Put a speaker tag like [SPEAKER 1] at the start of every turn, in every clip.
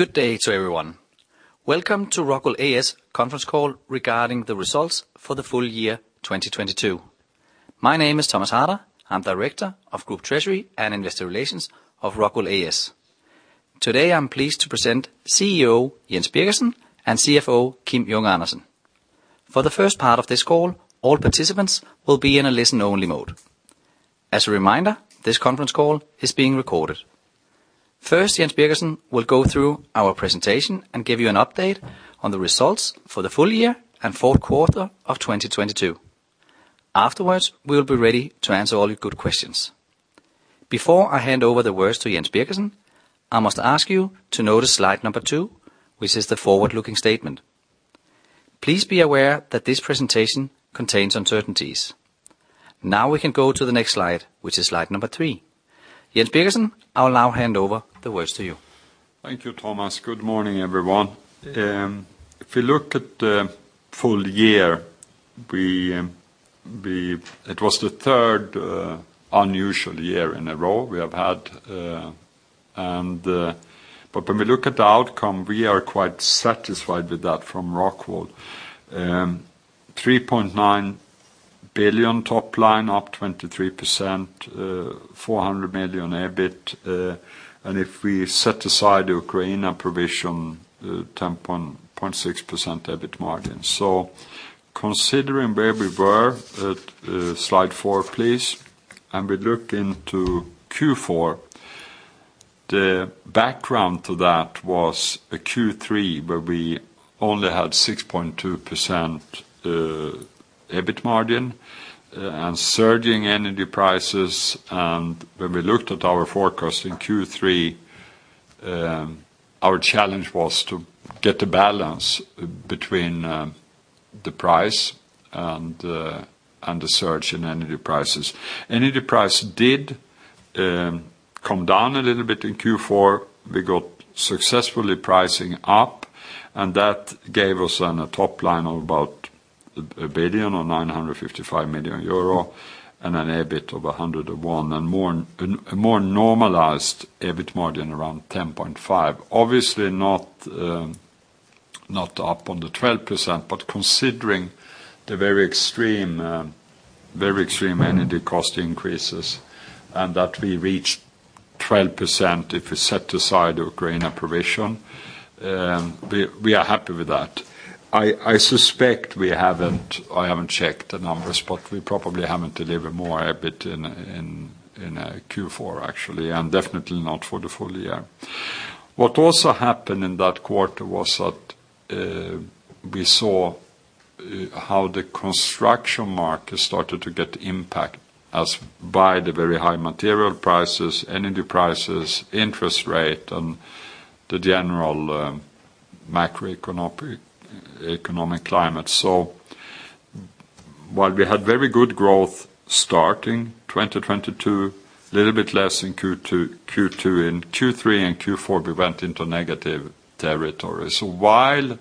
[SPEAKER 1] Good day to everyone. Welcome to ROCKWOOL A/S conference call regarding the results for the full year 2022. My name is Thomas Harder. I'm Director of Group Treasury & Investor Relations of ROCKWOOL A/S. Today, I'm pleased to present CEO Jens Birgersson and CFO Kim Junge Andersen. For the first part of this call, all participants will be in a listen only mode. As a reminder, this conference call is being recorded. First, Jens Birgersson will go through our presentation and give you an update on the results for the full year and fourth quarter of 2022. Afterwards, we will be ready to answer all your good questions. Before I hand over the words to Jens Birgersson, I must ask you to notice slide number 2, which is the forward-looking statement. Please be aware that this presentation contains uncertainties. Now we can go to the next slide, which is slide number 3. Jens Birgersson, I'll now hand over the words to you.
[SPEAKER 2] Thank you, Thomas. Good morning, everyone. If you look at the full year, it was the third unusual year in a row we have had. When we look at the outcome, we are quite satisfied with that from Rockwool. 3.9 billion top line, up 23%, 400 million EBIT. If we set aside Ukraine and provision, 10.6% EBIT margin. Considering where we were at, slide 4, please, and we look into Q4, the background to that was a Q3, where we only had 6.2% EBIT margin and surging energy prices. When we looked at our forecast in Q3, our challenge was to get the balance between the price and the surge in energy prices. Energy price did come down a little bit in Q4. We got successfully pricing up, and that gave us a top line of about 1 billion or 955 million euro and an EBIT of 101, and more normalized EBIT margin around 10.5%. Obviously not up on the 12%, but considering the very extreme energy cost increases, and that we reached 12% if we set aside Ukraine and provision, we are happy with that. I suspect we haven't checked the numbers, but we probably haven't delivered more EBIT in Q4, actually, and definitely not for the full year. What also happened in that quarter was that we saw how the construction market started to get impact as by the very high material prices, energy prices, interest rate, and the general macroeconomic, economic climate. While we had very good growth starting 2022, little bit less in Q2. In Q3 and Q4, we went into negative territory. While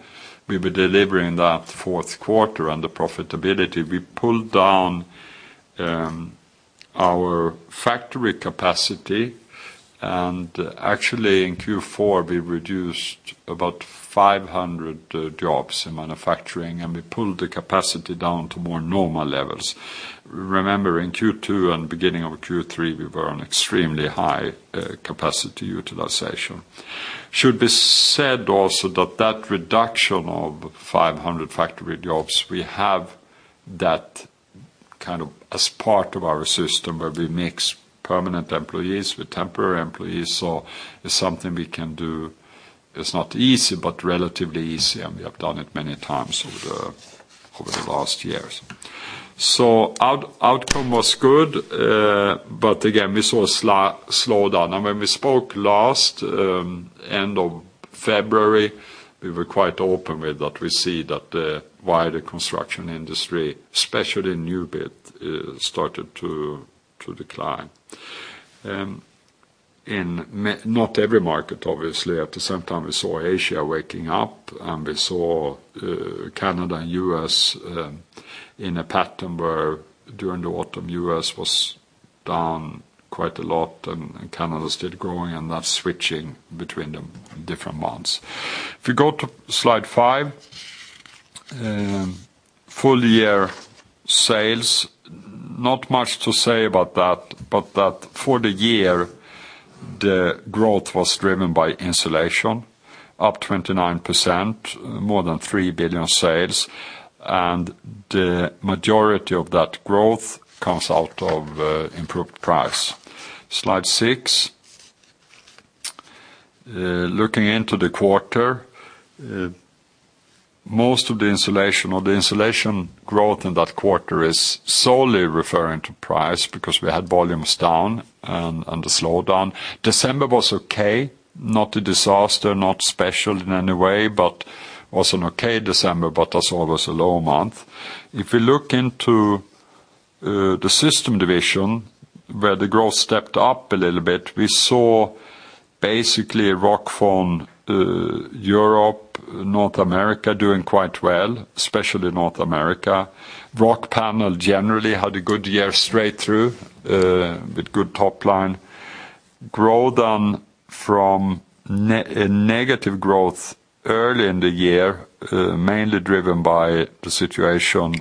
[SPEAKER 2] we were delivering that fourth quarter and the profitability, we pulled down our factory capacity. Actually, in Q4, we reduced about 500 jobs in manufacturing, and we pulled the capacity down to more normal levels. Remember, in Q2 and beginning of Q3, we were on extremely high capacity utilization. Should be said also that that reduction of 500 factory jobs, we have that kind of as part of our system, where we mix permanent employees with temporary employees. It's something we can do. It's not easy, but relatively easy, and we have done it many times over the last years. Outcome was good, but again, we saw a slow down. When we spoke last, end of February, we were quite open with that we see that the wider construction industry, especially new build, started to decline. Not every market, obviously. At the same time, we saw Asia waking up, and we saw Canada and U.S. in a pattern where during the autumn, U.S. was down quite a lot and Canada started growing. That's switching between the different months. If you go to slide five, full year sales, not much to say about that, but that for the year, the growth was driven by insulation, up 29%, more than 3 billion sales. The majority of that growth comes out of improved price. Slide six. Looking into the quarter, most of the insulation or the insulation growth in that quarter is solely referring to price because we had volumes down and a slowdown. December was okay, not a disaster, not special in any way, but was an okay December, but that's always a low month. If you look into the system division, where the growth stepped up a little bit, we saw basically Rockfon, Europe, North America doing quite well, especially North America. Rockpanel generally had a good year straight through, with good top line. Growth from negative growth early in the year, mainly driven by the situation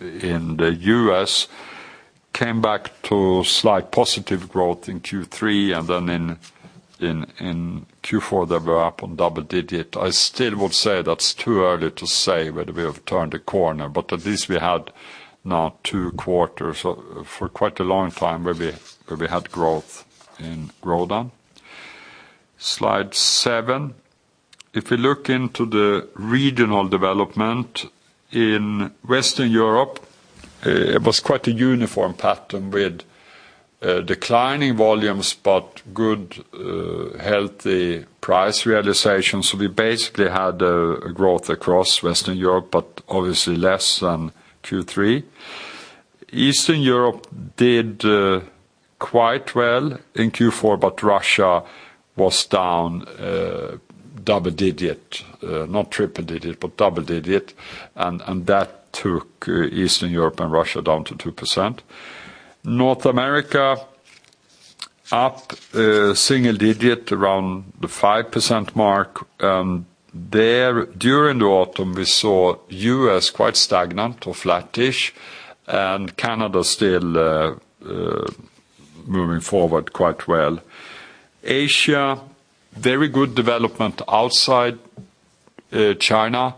[SPEAKER 2] in the U.S., came back to slight positive growth in Q3, in Q4, they were up on double-digit. I still would say that's too early to say whether we have turned a corner. At least we had now two quarters for quite a long time where we had growth in Grodan. Slide seven. If you look into the regional development in Western Europe, it was quite a uniform pattern with declining volumes, good, healthy price realization. We basically had growth across Western Europe, obviously less than Q3. Eastern Europe did quite well in Q4, but Russia was down double-digit, not triple-digit, but double-digit. That took Eastern Europe and Russia down to 2%. North America, up single-digit around the 5% mark. There, during the autumn, we saw US quite stagnant or flattish, and Canada still moving forward quite well. Asia, very good development outside China,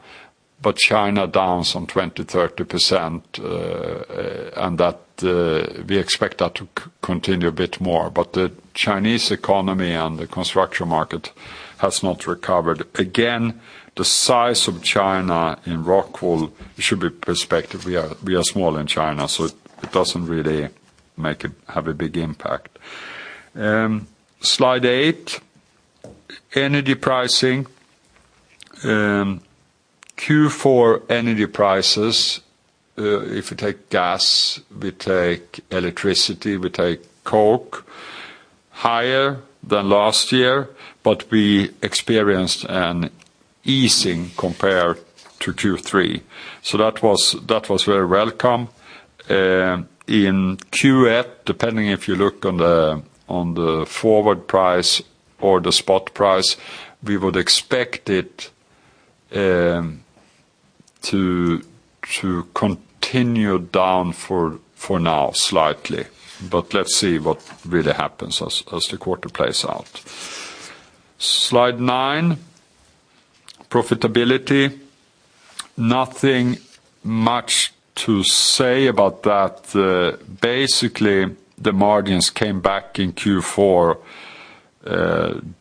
[SPEAKER 2] but China down some 20-30%, we expect that to continue a bit more. The Chinese economy and the construction market has not recovered. Again, the size of China in Rockwool should be perspective. We are small in China, it doesn't really make it have a big impact. Slide 8, energy pricing. Q4 energy prices, if you take gas, we take electricity, we take coke, higher than last year, we experienced an easing compared to Q3. That was very welcome. In Q4, depending if you look on the forward price or the spot price, we would expect it to continue down for now slightly. Let's see what really happens as the quarter plays out. Slide 9, profitability. Nothing much to say about that. Basically, the margins came back in Q4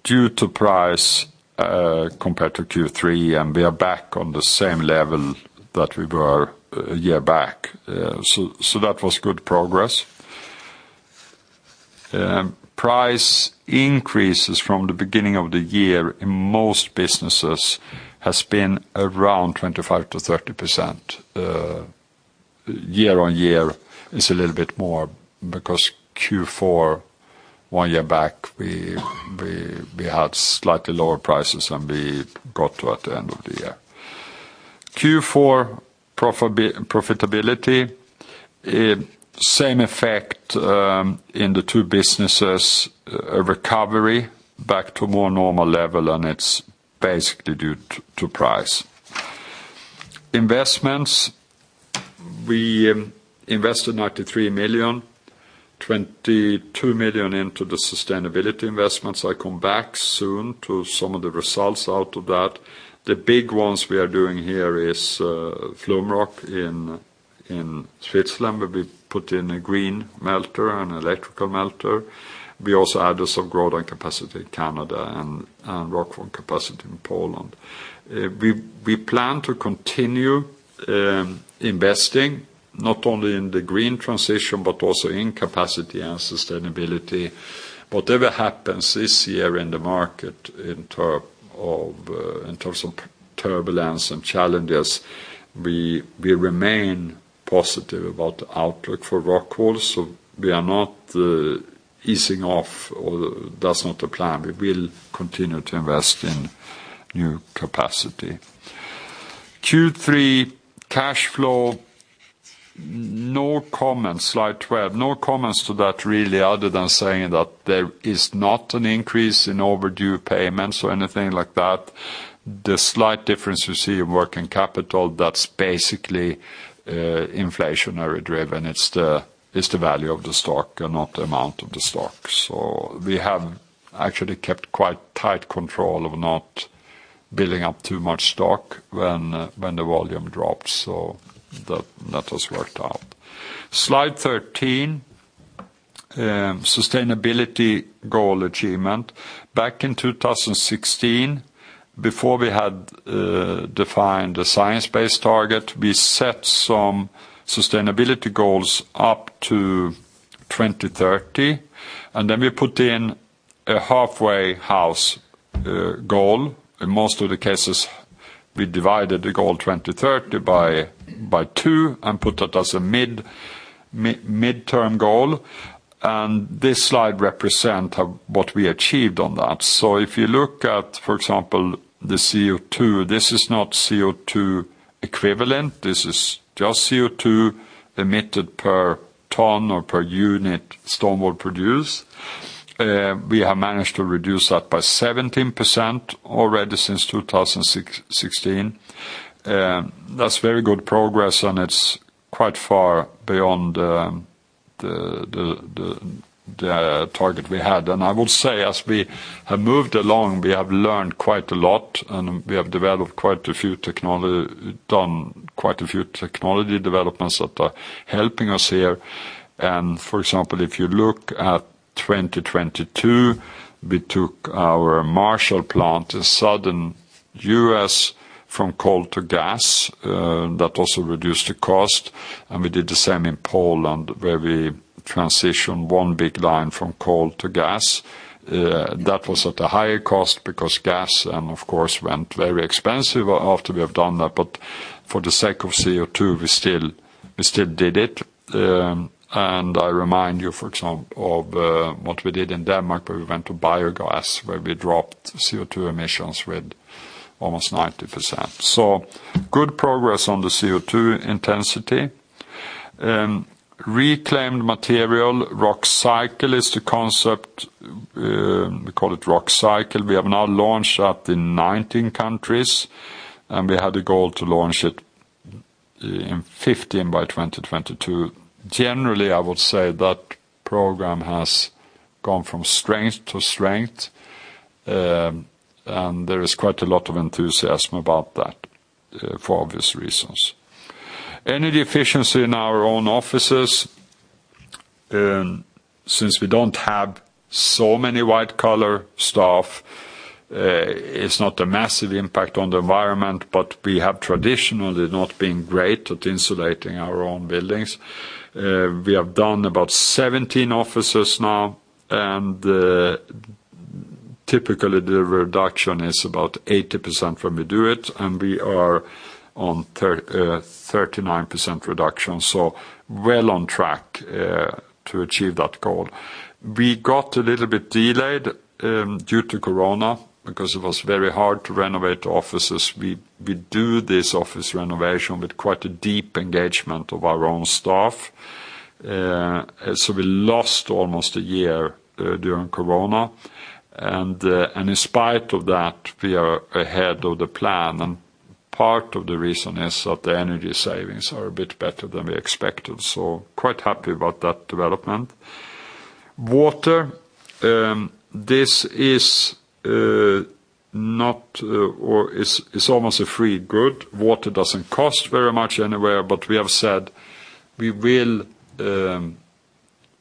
[SPEAKER 2] due to price compared to Q3, we are back on the same level that we were a year back. That was good progress. Price increases from the beginning of the year in most businesses has been around 25%-30%. Year-on-year is a little bit more because Q4, one year back, we had slightly lower prices than we got to at the end of the year. Q4 profitability, same effect in the two businesses, a recovery back to a more normal level. It's basically due to price. Investments, we invested 93 million, 22 million into the sustainability investments. I come back soon to some of the results out of that. The big ones we are doing here is Flumroc in Switzerland, where we put in a green melter and electric melter. We also added some Grodan capacity in Canada and Rockwool capacity in Poland. We plan to continue investing not only in the green transition, but also in capacity and sustainability. Whatever happens this year in the market in terms of turbulence and challenges, we remain positive about the outlook for Rockwool. We are not easing off or that's not the plan. We will continue to invest in new capacity. Q3 cash flow, no comments. Slide 12, no comments to that really other than saying that there is not an increase in overdue payments or anything like that. The slight difference you see in working capital, that's basically inflationary-driven. It's the value of the stock and not the amount of the stock. We have actually kept quite tight control of not building up too much stock when the volume drops. That has worked out. Slide 13, sustainability goal achievement. Back in 2016, before we had defined the science-based target, we set some sustainability goals up to 2030, we put in a halfway house goal. In most of the cases, we divided the goal 2030 by 2 and put it as a midterm goal. This slide represent of what we achieved on that. If you look at, for example, the CO2, this is not CO2 equivalent. This is just CO2 emitted per ton or per unit stone wool produce. We have managed to reduce that by 17% already since 2016. That's very good progress, it's quite far beyond the target we had. I will say as we have moved along, we have learned quite a lot, and we have done quite a few technology developments that are helping us here. For example, if you look at 2022, we took our Marshall plant in Southern US from coal to gas, that also reduced the cost. We did the same in Poland, where we transitioned one big line from coal to gas. That was at a higher cost because gas, of course, went very expensive after we have done that. For the sake of CO2, we still did it. I remind you, for example, of what we did in Denmark, where we went to biogas, where we dropped CO2 emissions with almost 90%. Good progress on the CO2 intensity. Reclaimed material, Rockcycle is the concept. We call it Rockcycle. We have now launched that in 19 countries. We had a goal to launch it in 15 by 2022. Generally, I would say that program has gone from strength to strength. There is quite a lot of enthusiasm about that for obvious reasons. Energy efficiency in our own offices. Since we don't have so many white-collar staff, it's not a massive impact on the environment. We have traditionally not been great at insulating our own buildings. We have done about 17 offices now. Typically the reduction is about 80% when we do it. We are on 39% reduction, well on track to achieve that goal. We got a little bit delayed due to Corona because it was very hard to renovate offices. We do this office renovation with quite a deep engagement of our own staff. We lost almost a year during Corona. In spite of that, we are ahead of the plan. Part of the reason is that the energy savings are a bit better than we expected. Quite happy about that development. Water, this is almost a free good. Water doesn't cost very much anywhere, we have said we will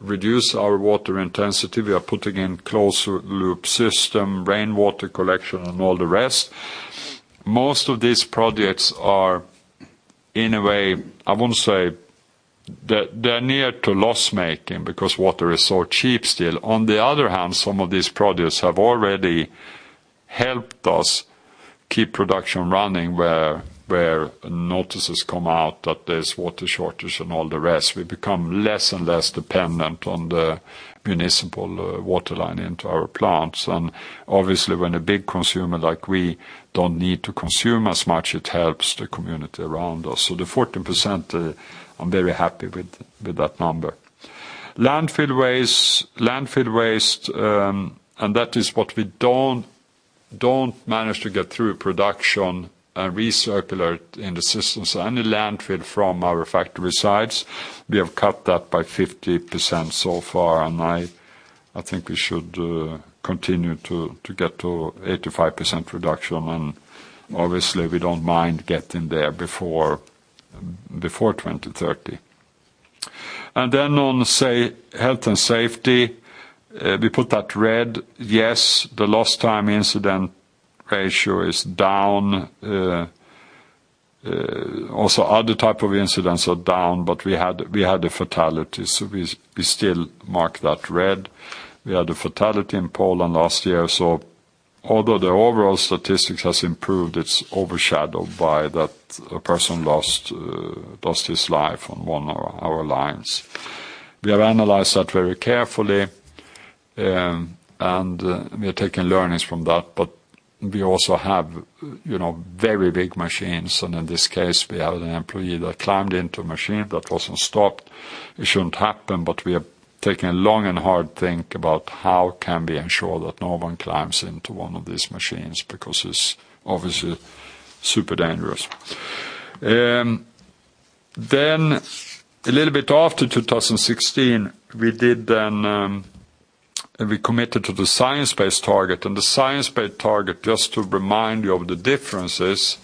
[SPEAKER 2] reduce our water intensity. We are putting in closed loop system, rainwater collection, and all the rest. Most of these projects are in a way, I wouldn't say they're near to loss-making because water is so cheap still. On the other hand, some of these projects have already helped us keep production running where notices come out that there's water shortage and all the rest. We become less and less dependent on the municipal waterline into our plants. Obviously, when a big consumer like we don't need to consume as much, it helps the community around us. The 14%, I'm very happy with that number. Landfill waste. Landfill waste, that is what we don't manage to get through production and recircular it in the systems. Any landfill from our factory sites, we have cut that by 50% so far. I think we should continue to get to 85% reduction. Obviously, we don't mind getting there before 2030. On, say, health and safety, we put that red. Yes, the lost time incident ratio is down. Also other type of incidents are down. We had a fatality, we still mark that red. We had a fatality in Poland last year. Although the overall statistics has improved, it's overshadowed by that a person lost his life on one of our lines. We have analyzed that very carefully, and we are taking learnings from that. We also have, you know, very big machines, in this case, we have an employee that climbed into a machine that wasn't stopped. It shouldn't happen, we are taking a long and hard think about how can we ensure that no one climbs into one of these machines because it's obviously super dangerous. Then a little bit after 2016, we committed to the science-based target. The science-based target, just to remind you of the differences,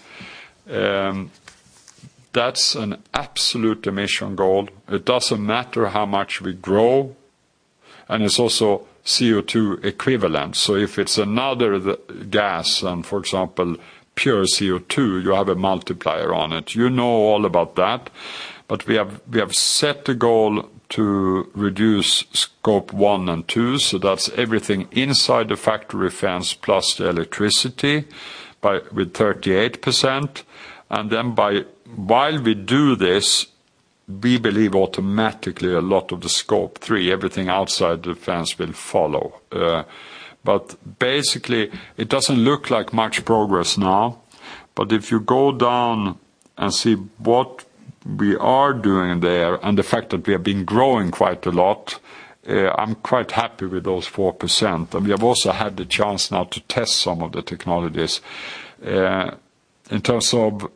[SPEAKER 2] that's an absolute emission goal. It doesn't matter how much we grow, and it's also CO2 equivalent. If it's another gas, for example, pure CO2, you have a multiplier on it. You know all about that. We have set a goal to reduce Scope 1 and 2, so that's everything inside the factory fence plus the electricity with 38%. While we do this, we believe automatically a lot of the Scope 3, everything outside the fence will follow. Basically, it doesn't look like much progress now, but if you go down and see what we are doing there, and the fact that we have been growing quite a lot, I'm quite happy with those 4%. We have also had the chance now to test some of the technologies. In terms of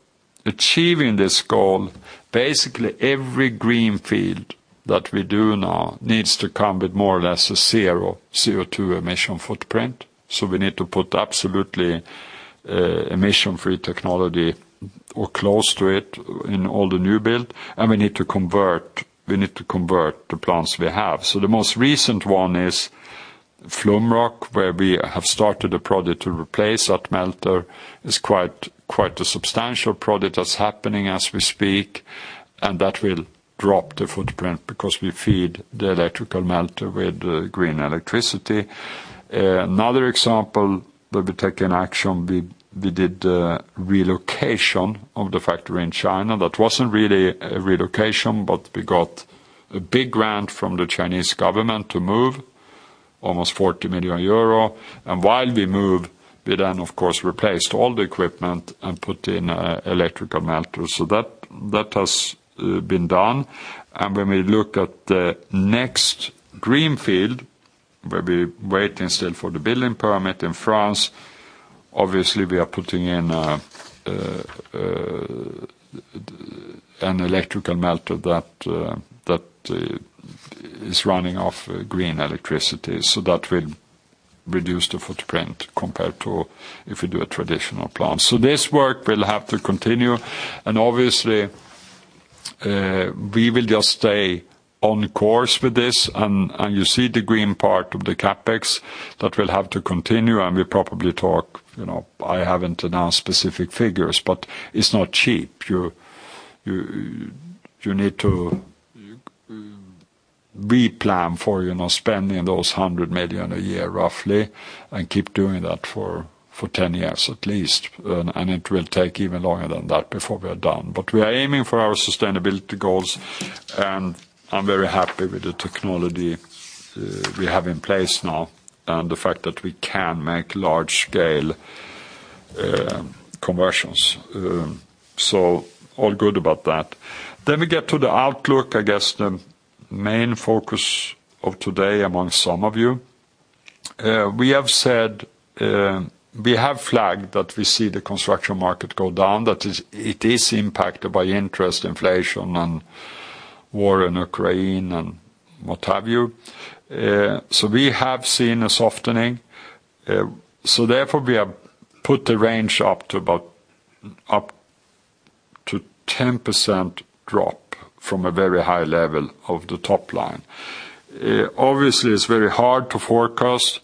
[SPEAKER 2] achieving this goal, basically every greenfield that we do now needs to come with more or less a zero CO2 emission footprint. We need to put absolutely emission-free technology or close to it in all the new build, and we need to convert the plants we have. The most recent one is Flumroc, where we have started a project to replace that melter. It's quite a substantial project that's happening as we speak. That will drop the footprint because we feed the electric melter with green electricity. Another example that we're taking action, we did relocation of the factory in China. That wasn't really a relocation. We got a big grant from the Chinese government to move, almost 40 million euro. While we moved, we then, of course, replaced all the equipment and put in electric melters. That has been done. When we look at the next greenfield, where we're waiting still for the building permit in France, obviously, we are putting in an electric melter that is running off green electricity. That will reduce the footprint compared to if we do a traditional plant. This work will have to continue. Obviously, we will just stay on course with this, and you see the green part of the CapEx that will have to continue, and we'll probably talk, you know, I haven't announced specific figures, but it's not cheap. You need to replan for, you know, spending those 100 million a year roughly and keep doing that for 10 years at least. It will take even longer than that before we're done. We are aiming for our sustainability goals, and I'm very happy with the technology we have in place now and the fact that we can make large-scale conversions. All good about that. We get to the outlook, I guess, the main focus of today among some of you. We have said, we have flagged that we see the construction market go down, that is, it is impacted by interest, inflation and war in Ukraine and what have you. We have seen a softening. Therefore, we have put the range up to about, up to 10% drop from a very high level of the top line. Obviously, it's very hard to forecast.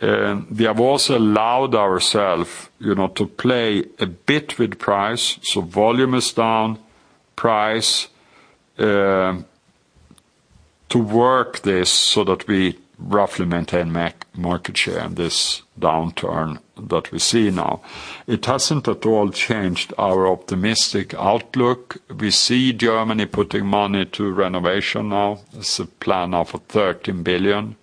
[SPEAKER 2] We have also allowed ourself, you know, to play a bit with price. Volume is down, price, to work this so that we roughly maintain market share in this downturn that we see now. It hasn't at all changed our optimistic outlook. We see Germany putting money to renovation now. There's a plan of 13 billion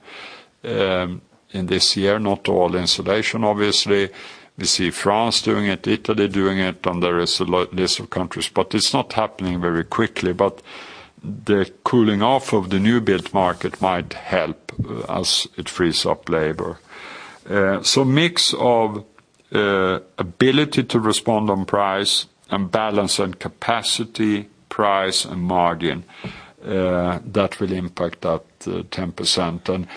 [SPEAKER 2] in this year, not all insulation, obviously. We see France doing it, Italy doing it. There is a list of countries, but it's not happening very quickly. The cooling off of the new build market might help as it frees up labor. Mix of ability to respond on price and balance and capacity, price, and margin, that will impact that 10%.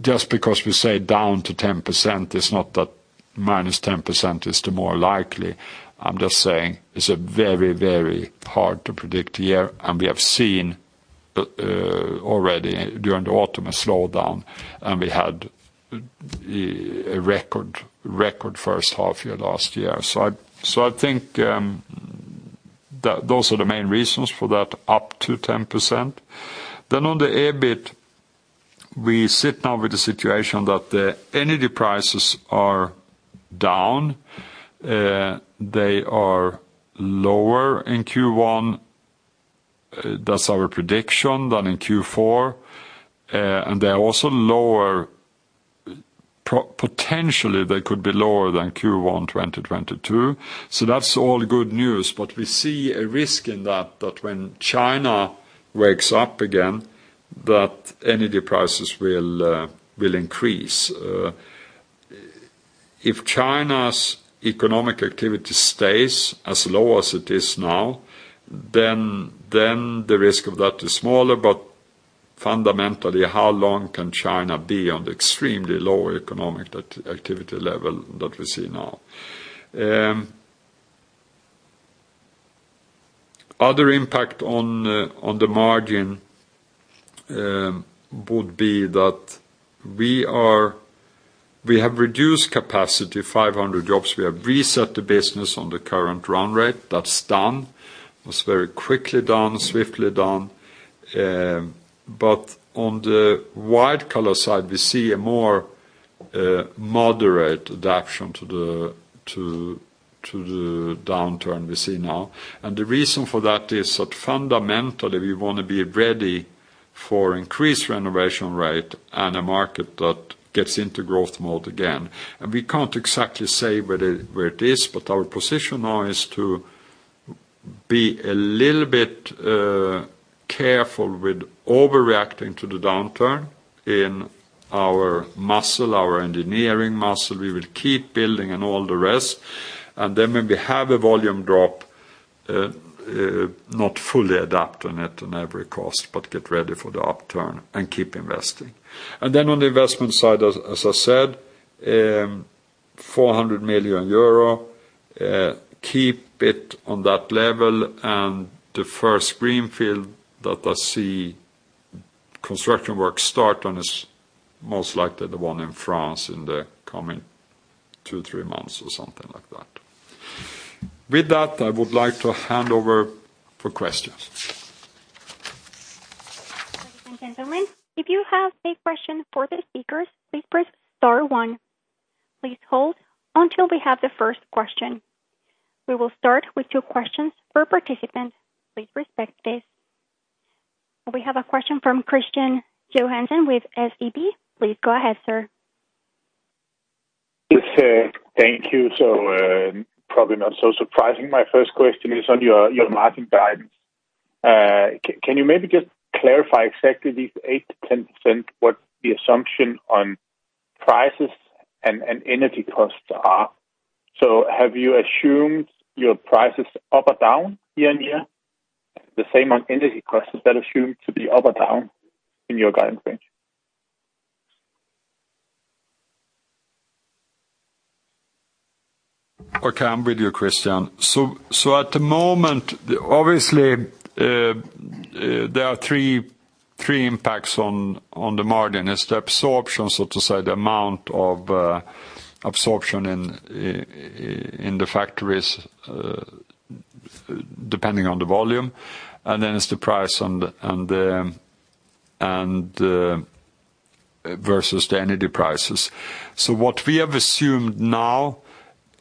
[SPEAKER 2] Just because we say down to 10%, it's not that -10% is the more likely. I'm just saying it's a very hard to predict year. We have seen already during the autumn, a slowdown. We had a record first half year last year. I think that those are the main reasons for that up to 10%. On the EBIT, we sit now with the situation that the energy prices are down. They are lower in Q1. That's our prediction than in Q4. They are also lower. Potentially, they could be lower than Q1 2022. That's all good news. We see a risk in that when China wakes up again, that energy prices will increase. If China's economic activity stays as low as it is now, then the risk of that is smaller. Fundamentally, how long can China be on the extremely low economic activity level that we see now? Other impact on the margin would be that we have reduced capacity 500 jobs. We have reset the business on the current run rate. That's done. It was very quickly done, swiftly done. On the white-collar side, we see a more moderate adaption to the downturn we see now. The reason for that is that fundamentally we wanna be ready for increased renovation rate and a market that gets into growth mode again. We can't exactly say where it is, but our position now is to be a little bit careful with overreacting to the downturn in our muscle, our engineering muscle. We will keep building and all the rest, and then when we have a volume drop, not fully adapt on it on every cost, but get ready for the upturn and keep investing. On the investment side, as I said, 400 million euro, keep it on that level, and the first greenfield that I see construction work start on is most likely the one in France in the coming 2-3 months or something like that. With that, I would like to hand over for questions.
[SPEAKER 3] Ladies and gentlemen, if you have a question for the speakers, please press star one. Please hold until we have the first question. We will start with two questions per participant. Please respect this. We have a question from Kristian Johansen with SEB. Please go ahead, sir.
[SPEAKER 4] Yes, thank you. Probably not so surprising, my first question is on your margin guidance. Can you maybe just clarify exactly these 8%-10% what the assumption on prices and energy costs are? Have you assumed your prices up or down year-on-year? The same on energy costs, is that assumed to be up or down in your guidance range?
[SPEAKER 2] Okay, I'm with you, Christian. At the moment, obviously, there are three impacts on the margin. It's the absorption, so to say the amount of absorption in the factories, depending on the volume, and then it's the price on the, and versus the energy prices. What we have assumed now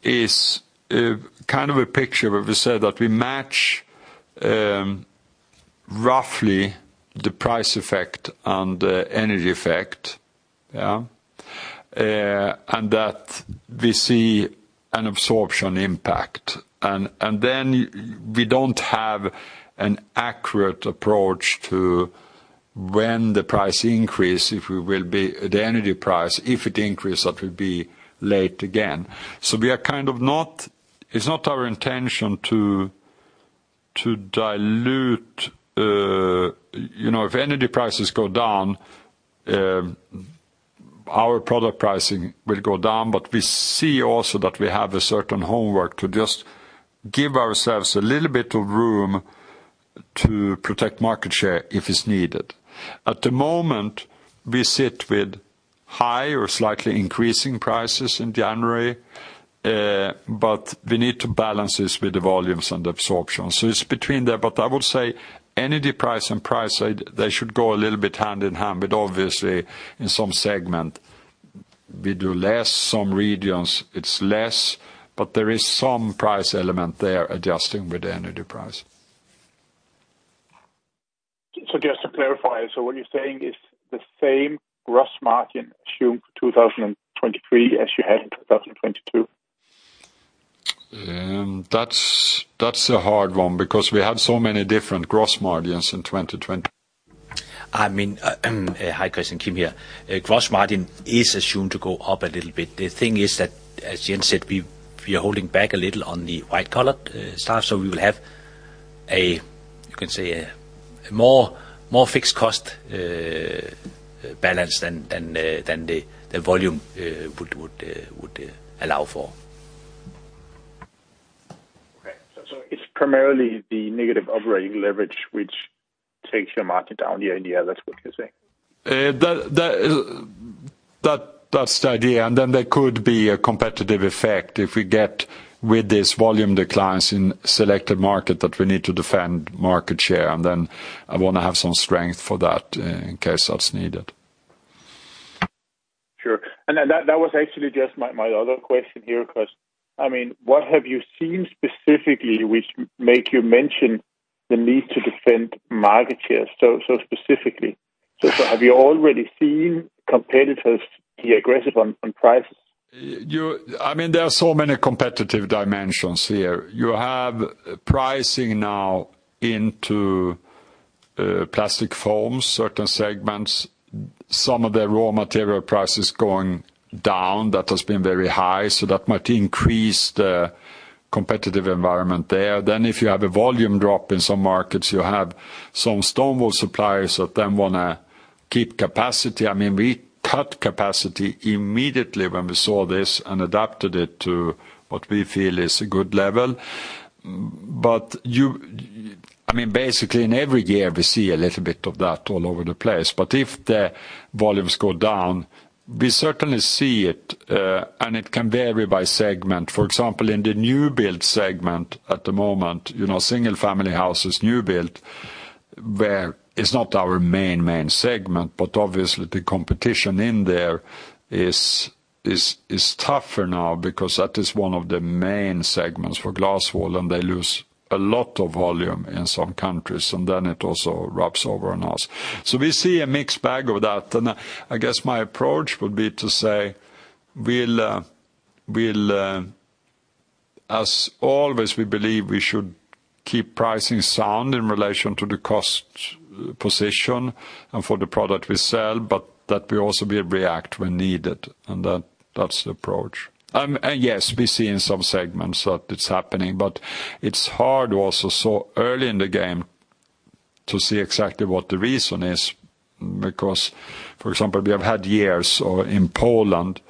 [SPEAKER 2] is kind of a picture where we said that we match roughly the price effect and the energy effect, yeah? That we see an absorption impact. And then we don't have an accurate approach to when the price increase, if the energy price, if it increase, that will be late again. We are not It's not our intention to dilute, you know, if energy prices go down, our product pricing will go down, but we see also that we have a certain homework to just give ourselves a little bit of room to protect market share if it's needed. At the moment, we sit with high or slightly increasing prices in January, but we need to balance this with the volumes and absorption. It's between there, but I would say energy price and price, they should go a little bit hand in hand. Obviously in some segment we do less, some regions it's less, but there is some price element there adjusting with the energy price.
[SPEAKER 4] Just to clarify, so what you're saying is the same gross margin assumed for 2023 as you had in 2022?
[SPEAKER 2] That's a hard one because we have so many different gross margins in 2020-
[SPEAKER 5] I mean, hi, Kristian, Kim here. Gross margin is assumed to go up a little bit. The thing is that, as Jens said, we are holding back a little on the white collar stuff. We will have you can say a more fixed cost balance than the volume would allow for.
[SPEAKER 4] Okay. It's primarily the negative operating leverage which takes your margin down year-on-year, that's what you're saying?
[SPEAKER 2] That's the idea, and then there could be a competitive effect if we get with this volume declines in selected market that we need to defend market share, and then I wanna have some strength for that in case that's needed.
[SPEAKER 4] Sure. That was actually just my other question here, because, I mean, what have you seen specifically which make you mention the need to defend market share so specifically? Have you already seen competitors be aggressive on prices?
[SPEAKER 2] I mean, there are so many competitive dimensions here. You have pricing now into plastic foams, certain segments. Some of the raw material prices going down that has been very high, so that might increase the competitive environment there. If you have a volume drop in some markets, you have some stone wool suppliers that then wanna keep capacity. I mean, we cut capacity immediately when we saw this and adapted it to what we feel is a good level. I mean, basically in every year we see a little bit of that all over the place. If the volumes go down, we certainly see it, and it can vary by segment. For example, in the new build segment at the moment, single-family houses new build. Where it's not our main segment, but obviously the competition in there is tougher now because that is one of the main segments for glass wool, and they lose a lot of volume in some countries, and then it also rubs over on us. We see a mixed bag of that. I guess my approach would be to say we'll as always, we believe we should keep pricing sound in relation to the cost position and for the product we sell, but that we also will react when needed, and that's the approach. Yes, we see in some segments that it's happening, but it's hard also so early in the game to see exactly what the reason is. For example, we have had years or in Poland,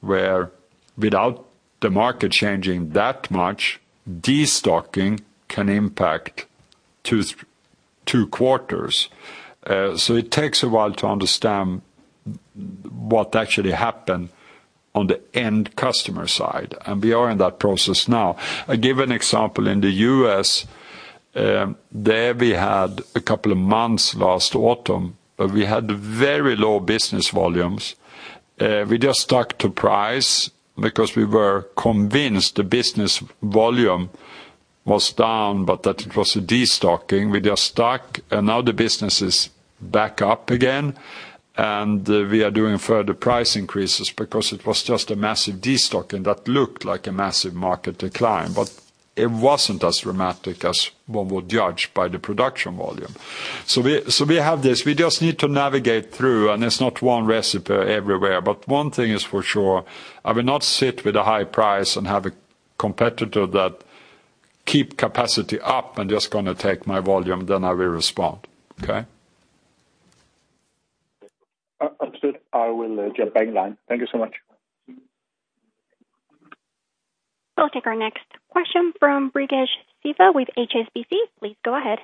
[SPEAKER 2] where without the market changing that much, destocking can impact two quarters. It takes a while to understand what actually happened on the end customer side, and we are in that process now. I'll give an example. In the U.S., there we had a couple of months last autumn, but we had very low business volumes. We just stuck to price because we were convinced the business volume was down, but that it was a destocking. We just stuck, and now the business is back up again, and we are doing further price increases because it was just a massive destocking that looked like a massive market decline. It wasn't as dramatic as one would judge by the production volume. We have this. We just need to navigate through, and it's not one recipe everywhere. One thing is for sure, I will not sit with a high price and have a competitor that keep capacity up and just gonna take my volume, then I will respond. Okay?
[SPEAKER 4] Understood. I will jump back in line. Thank you so much.
[SPEAKER 3] We'll take our next question from Brijesh Kumar with HSBC. Please go ahead.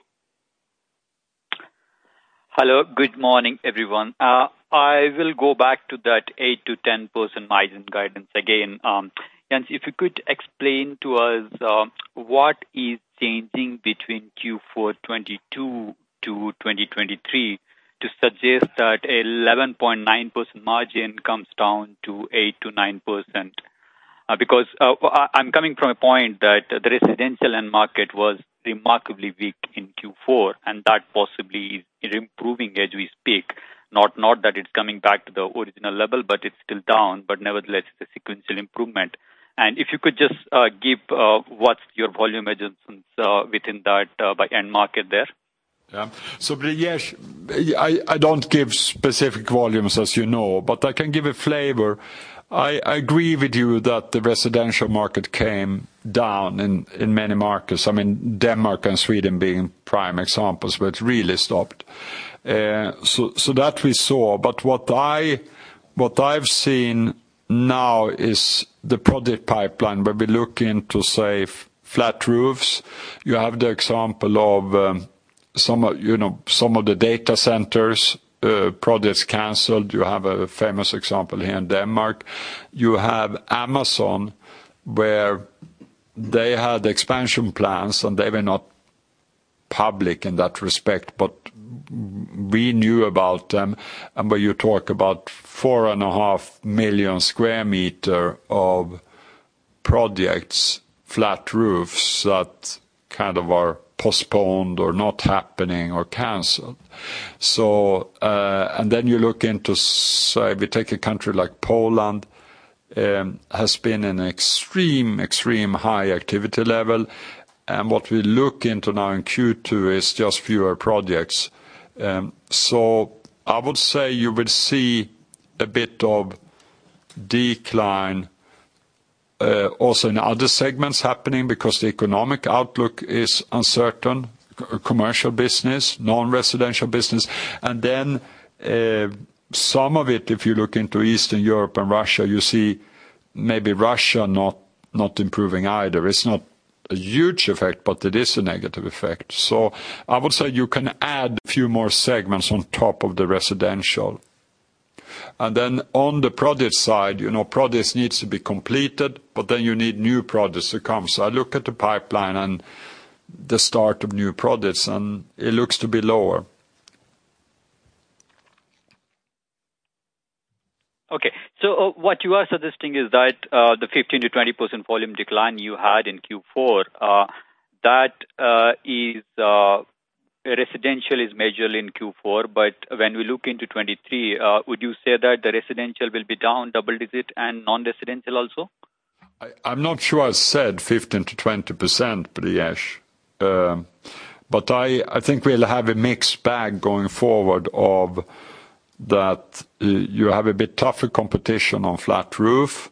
[SPEAKER 6] Hello. Good morning, everyone. I will go back to that 8%-10% margin guidance again. And if you could explain to us what is changing between Q4 2022 to 2023 to suggest that 11.9% margin comes down to 8%-9%? Because I'm coming from a point that the residential end market was remarkably weak in Q4, and that possibly is improving as we speak. Not that it's coming back to the original level, but it's still down, but nevertheless, it's a sequential improvement. And if you could just give what's your volume adjustments within that by end market there.
[SPEAKER 2] Yeah. Brijesh, I don't give specific volumes, as you know, but I can give a flavor. I agree with you that the residential market came down in many markets. I mean, Denmark and Sweden being prime examples, but really stopped. That we saw. What I, what I've seen now is the project pipeline, where we look into, say, flat roofs. You have the example of, some of, you know, some of the data centers, projects canceled. You have a famous example here in Denmark. You have Amazon, where they had expansion plans, and they were not public in that respect, but we knew about them. You talk about 4.5 million square meter of projects, flat roofs that kind of are postponed or not happening or canceled. Then you look into, say, if we take a country like Poland, has been an extreme high activity level. What we look into now in Q2 is just fewer projects. I would say you will see a bit of decline also in other segments happening because the economic outlook is uncertain, commercial business, non-residential business. Some of it, if you look into Eastern Europe and Russia, you see maybe Russia not improving either. It's not a huge effect, but it is a negative effect. I would say you can add a few more segments on top of the residential. On the project side, you know, projects needs to be completed, you need new projects to come. I look at the pipeline and the start of new projects, and it looks to be lower.
[SPEAKER 6] What you are suggesting is that, the 15%-20% volume decline you had in Q4, that, is, residential is majorly in Q4. When we look into 2023, would you say that the residential will be down double digit and non-residential also?
[SPEAKER 2] I'm not sure I said 15%-20%, Brijesh. I think we'll have a mixed bag going forward of that you have a bit tougher competition on flat roof.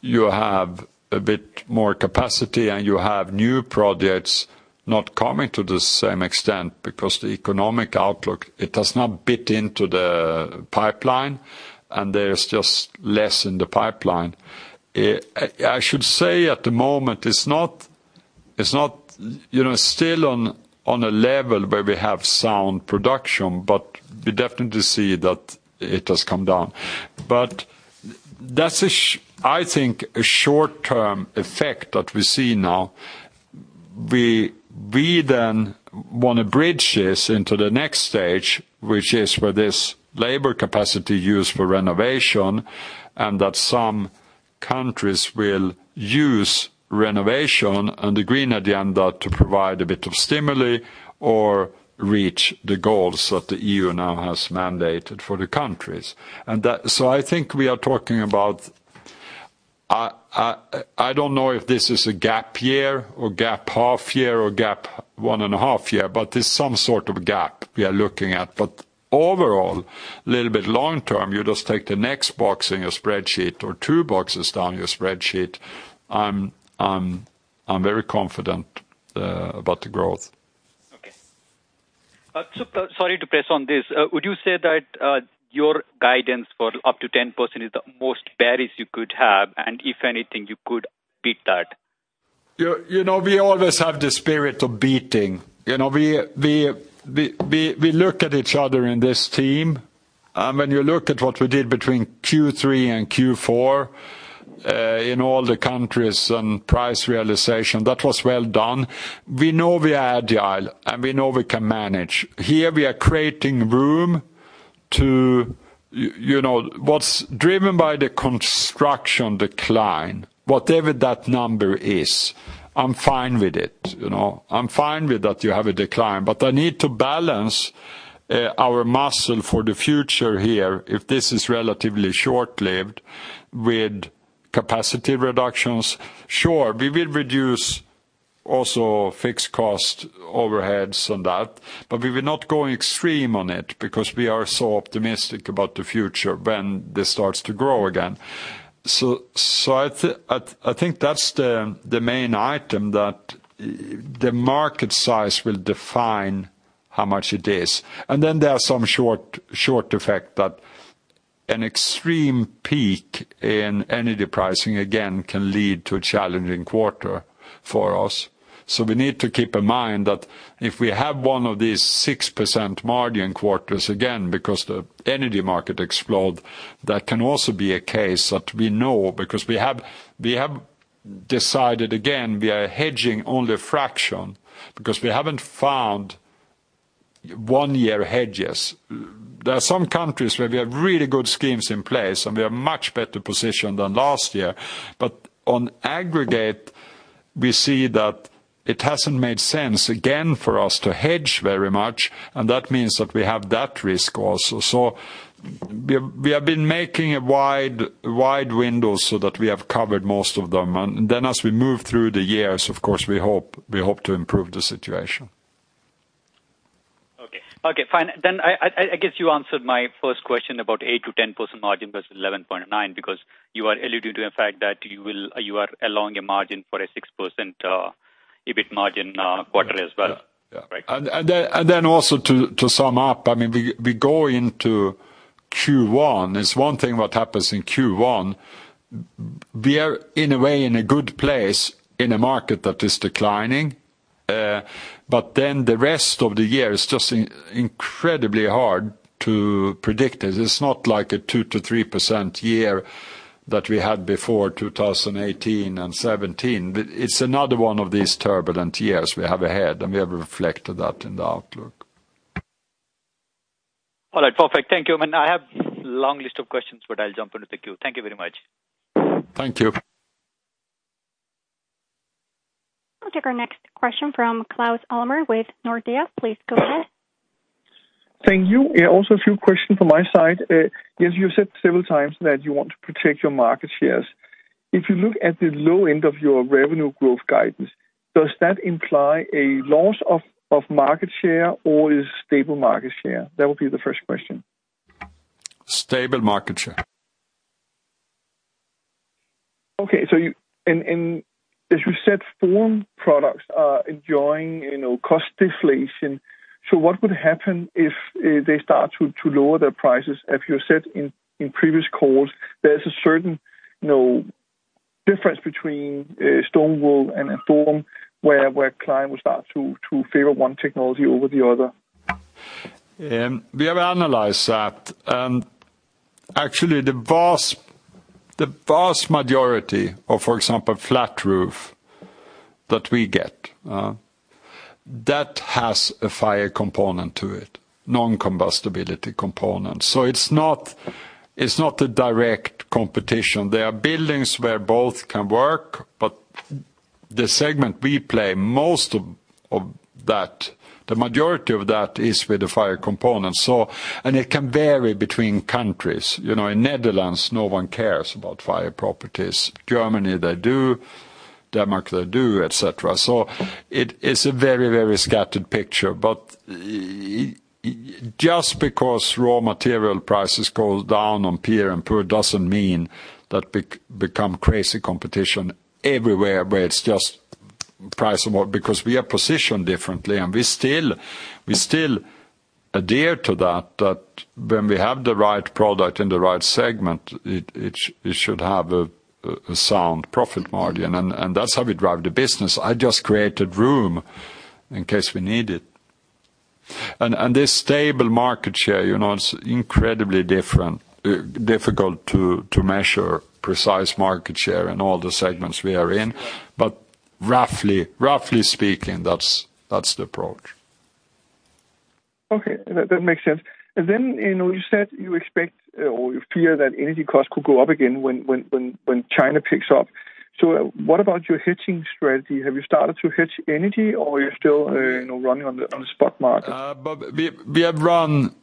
[SPEAKER 2] You have a bit more capacity, and you have new projects not coming to the same extent because the economic outlook, it does not fit into the pipeline, and there's just less in the pipeline. I should say at the moment it's not, you know, still on a level where we have sound production, but we definitely see that it has come down. That's a short-term effect that we see now. We then wanna bridge this into the next stage, which is where this labor capacity used for renovation, and that some countries will use renovation on the green agenda to provide a bit of stimuli or reach the goals that the EU now has mandated for the countries. That... I think we are talking about, I don't know if this is a gap year or gap half year or gap one and a half year, but there's some sort of gap we are looking at. Overall, little bit long term, you just take the next box in your spreadsheet or two boxes down your spreadsheet, I'm very confident about the growth.
[SPEAKER 6] Okay. Sorry to press on this. Would you say that your guidance for up to 10% is the most bearish you could have, and if anything, you could beat that?
[SPEAKER 2] You know, we always have the spirit of beating. You know, we look at each other in this team, and when you look at what we did between Q3 and Q4, in all the countries and price realization, that was well done. We know we are agile, and we know we can manage. Here, we are creating room to, you know. What's driven by the construction decline, whatever that number is, I'm fine with it, you know. I'm fine with that you have a decline, but I need to balance our muscle for the future here, if this is relatively short-lived, with capacity reductions. Sure, we will reduce also fixed cost overheads on that, but we will not go extreme on it because we are so optimistic about the future when this starts to grow again. I think that's the main item that the market size will define how much it is. There are some short effect that an extreme peak in energy pricing, again, can lead to a challenging quarter for us. We need to keep in mind that if we have one of these 6% margin quarters again because the energy market explode, that can also be a case that we know because we have decided, again, we are hedging only a fraction because we haven't found one-year hedges. There are some countries where we have really good schemes in place, and we are much better positioned than last year. On aggregate, we see that it hasn't made sense again for us to hedge very much, and that means that we have that risk also. We have been making a wide window so that we have covered most of them. As we move through the years, of course, we hope to improve the situation.
[SPEAKER 6] Okay. Okay, fine. I guess you answered my first question about 8%-10% margin versus 11.9% because you are along a margin for a 6% EBIT margin quarter as well.
[SPEAKER 2] Yeah.
[SPEAKER 6] Right?
[SPEAKER 2] Also to sum up, I mean, we go into Q1, it's 1 thing what happens in Q1. We are, in a way, in a good place in a market that is declining. The rest of the year is just incredibly hard to predict it. It's not like a 2%-3% year that we had before 2018 and 2017. It's another 1 of these turbulent years we have ahead, and we have reflected that in the outlook.
[SPEAKER 6] All right. Perfect. Thank you. I mean, I have long list of questions. I'll jump into the queue. Thank you very much.
[SPEAKER 2] Thank you.
[SPEAKER 3] We'll take our next question from Claus Almer with Nordea. Please go ahead.
[SPEAKER 7] Thank you. Also a few questions from my side. You said several times that you want to protect your market shares. If you look at the low end of your revenue growth guidance, does that imply a loss of market share or is stable market share? That would be the first question.
[SPEAKER 2] Stable market share.
[SPEAKER 7] Okay. As you said, foreign products are enjoying, you know, cost deflation. What would happen if they start to lower their prices? As you said in previous calls, there's a certain, you know, difference between stone wool and a foam where client will start to favor one technology over the other.
[SPEAKER 2] We have analyzed that. Actually, the vast majority of, for example, flat roof that we get, that has a fire component to it, non-combustibility component. It's not a direct competition. There are buildings where both can work, but the segment we play, most of that, the majority of that is with the fire component. It can vary between countries. You know, in Netherlands, no one cares about fire properties. Germany, they do. Denmark, they do, et cetera. It is a very scattered picture. Just because raw material prices goes down on PIR and PUR doesn't mean that become crazy competition everywhere where it's just price of what. We are positioned differently, and we still adhere to that when we have the right product in the right segment, it should have a sound profit margin, and that's how we drive the business. I just created room in case we need it. This stable market share, you know, it's incredibly difficult to measure precise market share in all the segments we are in. Roughly speaking, that's the approach.
[SPEAKER 7] Okay. That makes sense. Then, you know, you said you expect or you fear that energy costs could go up again when China picks up. What about your hedging strategy? Have you started to hedge energy or are you still, you know, running on the spot market?
[SPEAKER 2] We have run...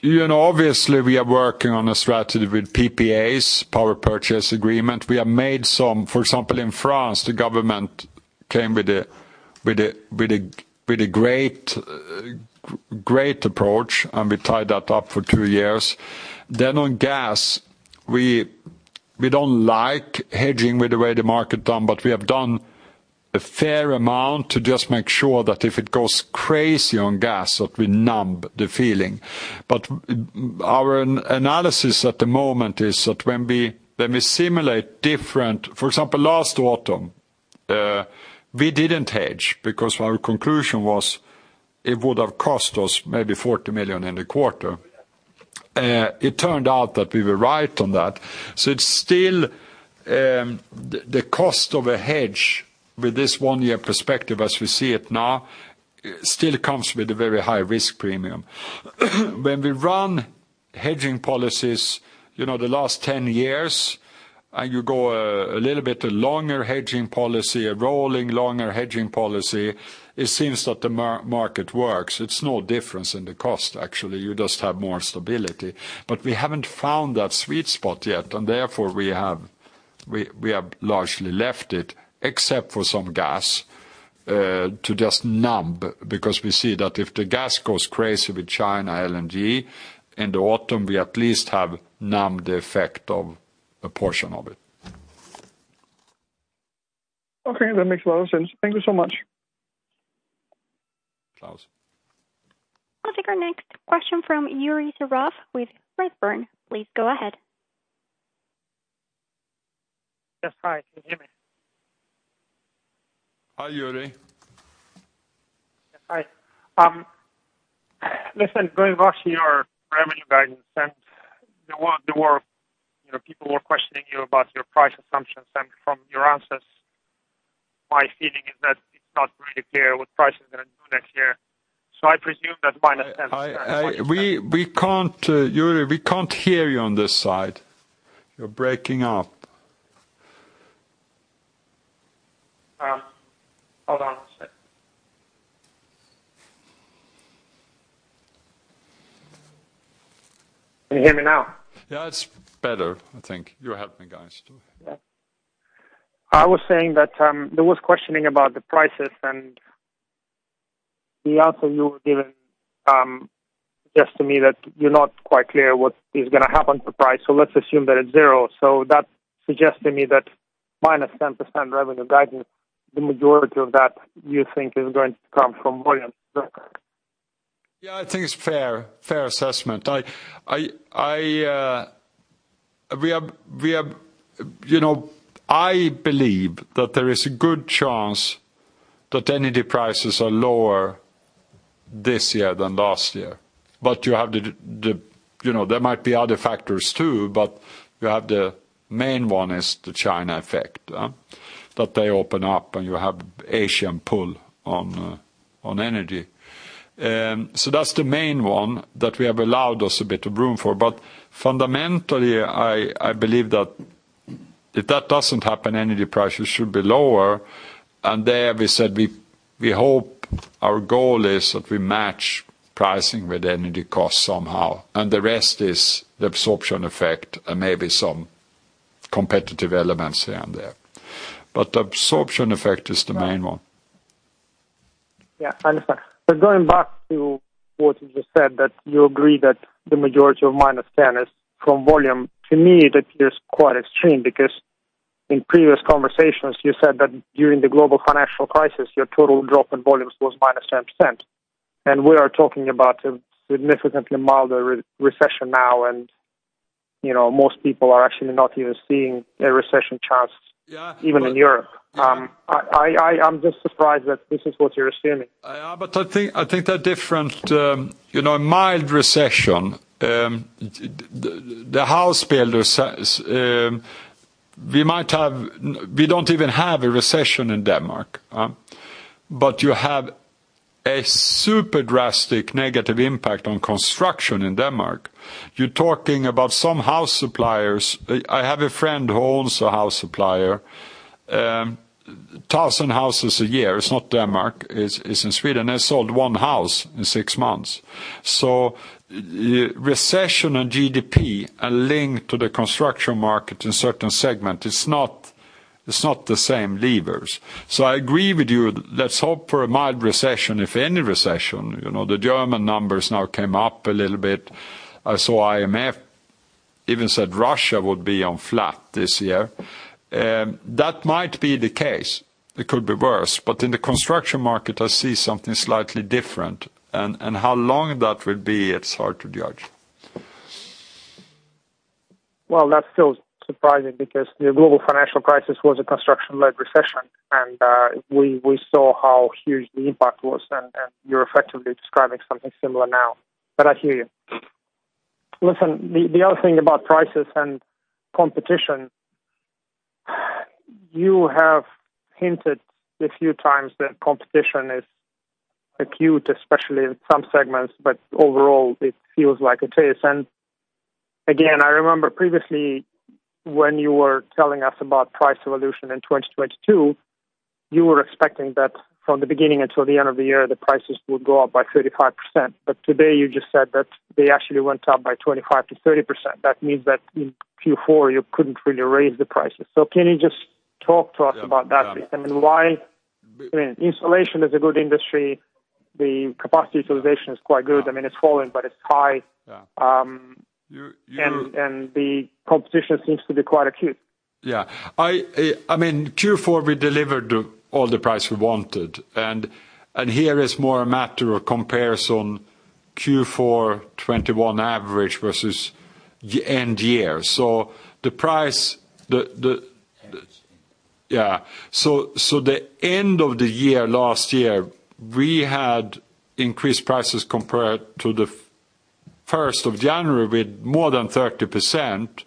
[SPEAKER 2] You know, obviously we are working on a strategy with PPAs, power purchase agreement. We have made some, for example, in France, the government came with a great approach, and we tied that up for two years. On gas, we don't like hedging with the way the market done, but we have done a fair amount to just make sure that if it goes crazy on gas, that we numb the feeling. Our analysis at the moment is that when we simulate different... For example, last autumn, we didn't hedge because our conclusion was it would have cost us maybe 40 million in a quarter. It turned out that we were right on that. It's still, the cost of a hedge with this one-year perspective, as we see it now, still comes with a very high risk premium. When we run hedging policies, you know, the last 10 years, and you go a little bit longer hedging policy, a rolling longer hedging policy, it seems that the market works. It's no difference in the cost, actually. You just have more stability. We haven't found that sweet spot yet, and therefore, we have largely left it, except for some gas, to just numb, because we see that if the gas goes crazy with China LNG, in the autumn we at least have numbed the effect of a portion of it.
[SPEAKER 7] Okay, that makes a lot of sense. Thank you so much.
[SPEAKER 2] Claus.
[SPEAKER 3] I'll take our next question from Yuri Serov with Redburn. Please go ahead.
[SPEAKER 8] Yes. Hi, can you hear me?
[SPEAKER 2] Hi, Yuri.
[SPEAKER 8] Yes. Hi. Listen, going back to your revenue guidance and the work, you know, people were questioning you about your price assumptions and from your answers, my feeling is that it's not really clear what price is gonna do next year. I presume that's minus 10%.
[SPEAKER 2] We can't, Yuri, we can't hear you on this side. You're breaking up.
[SPEAKER 8] hold on 1 sec. Can you hear me now?
[SPEAKER 2] Yeah, it's better, I think. You're helping, guys, too.
[SPEAKER 8] Yeah. I was saying that, there was questioning about the prices, the answer you were given suggests to me that you're not quite clear what is gonna happen to price. Let's assume that it's 0. That suggests to me that minus 10% revenue guidance, the majority of that you think is going to come from volume.
[SPEAKER 2] Yeah, I think it's fair assessment. I, we have, you know, I believe that there is a good chance that energy prices are lower this year than last year. You have the, you know, there might be other factors too, but you have the main one is the China effect, that they open up, and you have Asian pull on energy. That's the main one that we have allowed us a bit of room for. Fundamentally, I believe that if that doesn't happen, energy prices should be lower, and there we said we hope our goal is that we match pricing with energy costs somehow, and the rest is the absorption effect and maybe some competitive elements here and there. The absorption effect is the main one.
[SPEAKER 8] Yeah, I understand. Going back to what you just said, that you agree that the majority of -10 is from volume, to me that is quite extreme, because in previous conversations, you said that during the global financial crisis, your total drop in volumes was -10%. We are talking about a significantly milder re-recession now and, you know, most people are actually not even seeing a recession chance-
[SPEAKER 2] Yeah.
[SPEAKER 8] even in Europe. I'm just surprised that this is what you're assuming.
[SPEAKER 2] I think, I think they're different, you know, mild recession. We don't even have a recession in Denmark, but you have a super drastic negative impact on construction in Denmark. You're talking about some house suppliers. I have a friend who owns a house supplier, 1,000 houses a year. It's not Denmark, it's in Sweden, has sold 1 house in 6 months. Recession and GDP are linked to the construction market in certain segment. It's not the same levers. I agree with you. Let's hope for a mild recession, if any recession. You know, the German numbers now came up a little bit. I saw IMF even said Russia would be on flat this year. That might be the case. It could be worse. In the construction market, I see something slightly different. How long that will be, it's hard to judge.
[SPEAKER 8] Well, that's still surprising because the global financial crisis was a construction-led recession, and we saw how huge the impact was, and you're effectively describing something similar now. I hear you. Listen, the other thing about prices and competition, you have hinted a few times that competition is acute, especially in some segments, but overall, it feels like a trace. Again, I remember previously when you were telling us about price evolution in 2022, you were expecting that from the beginning until the end of the year, the prices would go up by 35%. Today, you just said that they actually went up by 25%-30%. That means that in Q4, you couldn't really raise the prices. Can you just talk to us about that?
[SPEAKER 2] Yeah. Got it.
[SPEAKER 8] I mean, insulation is a good industry. The capacity utilization is quite good. I mean, it's fallen, but it's high.
[SPEAKER 2] Yeah. You.
[SPEAKER 8] The competition seems to be quite acute.
[SPEAKER 2] Yeah. I mean, Q4, we delivered all the price we wanted. Here is more a matter of comparison, Q4, 21 average versus end year. The price.
[SPEAKER 8] Average.
[SPEAKER 2] The end of the year last year, we had increased prices compared to the 1st of January with more than 30%,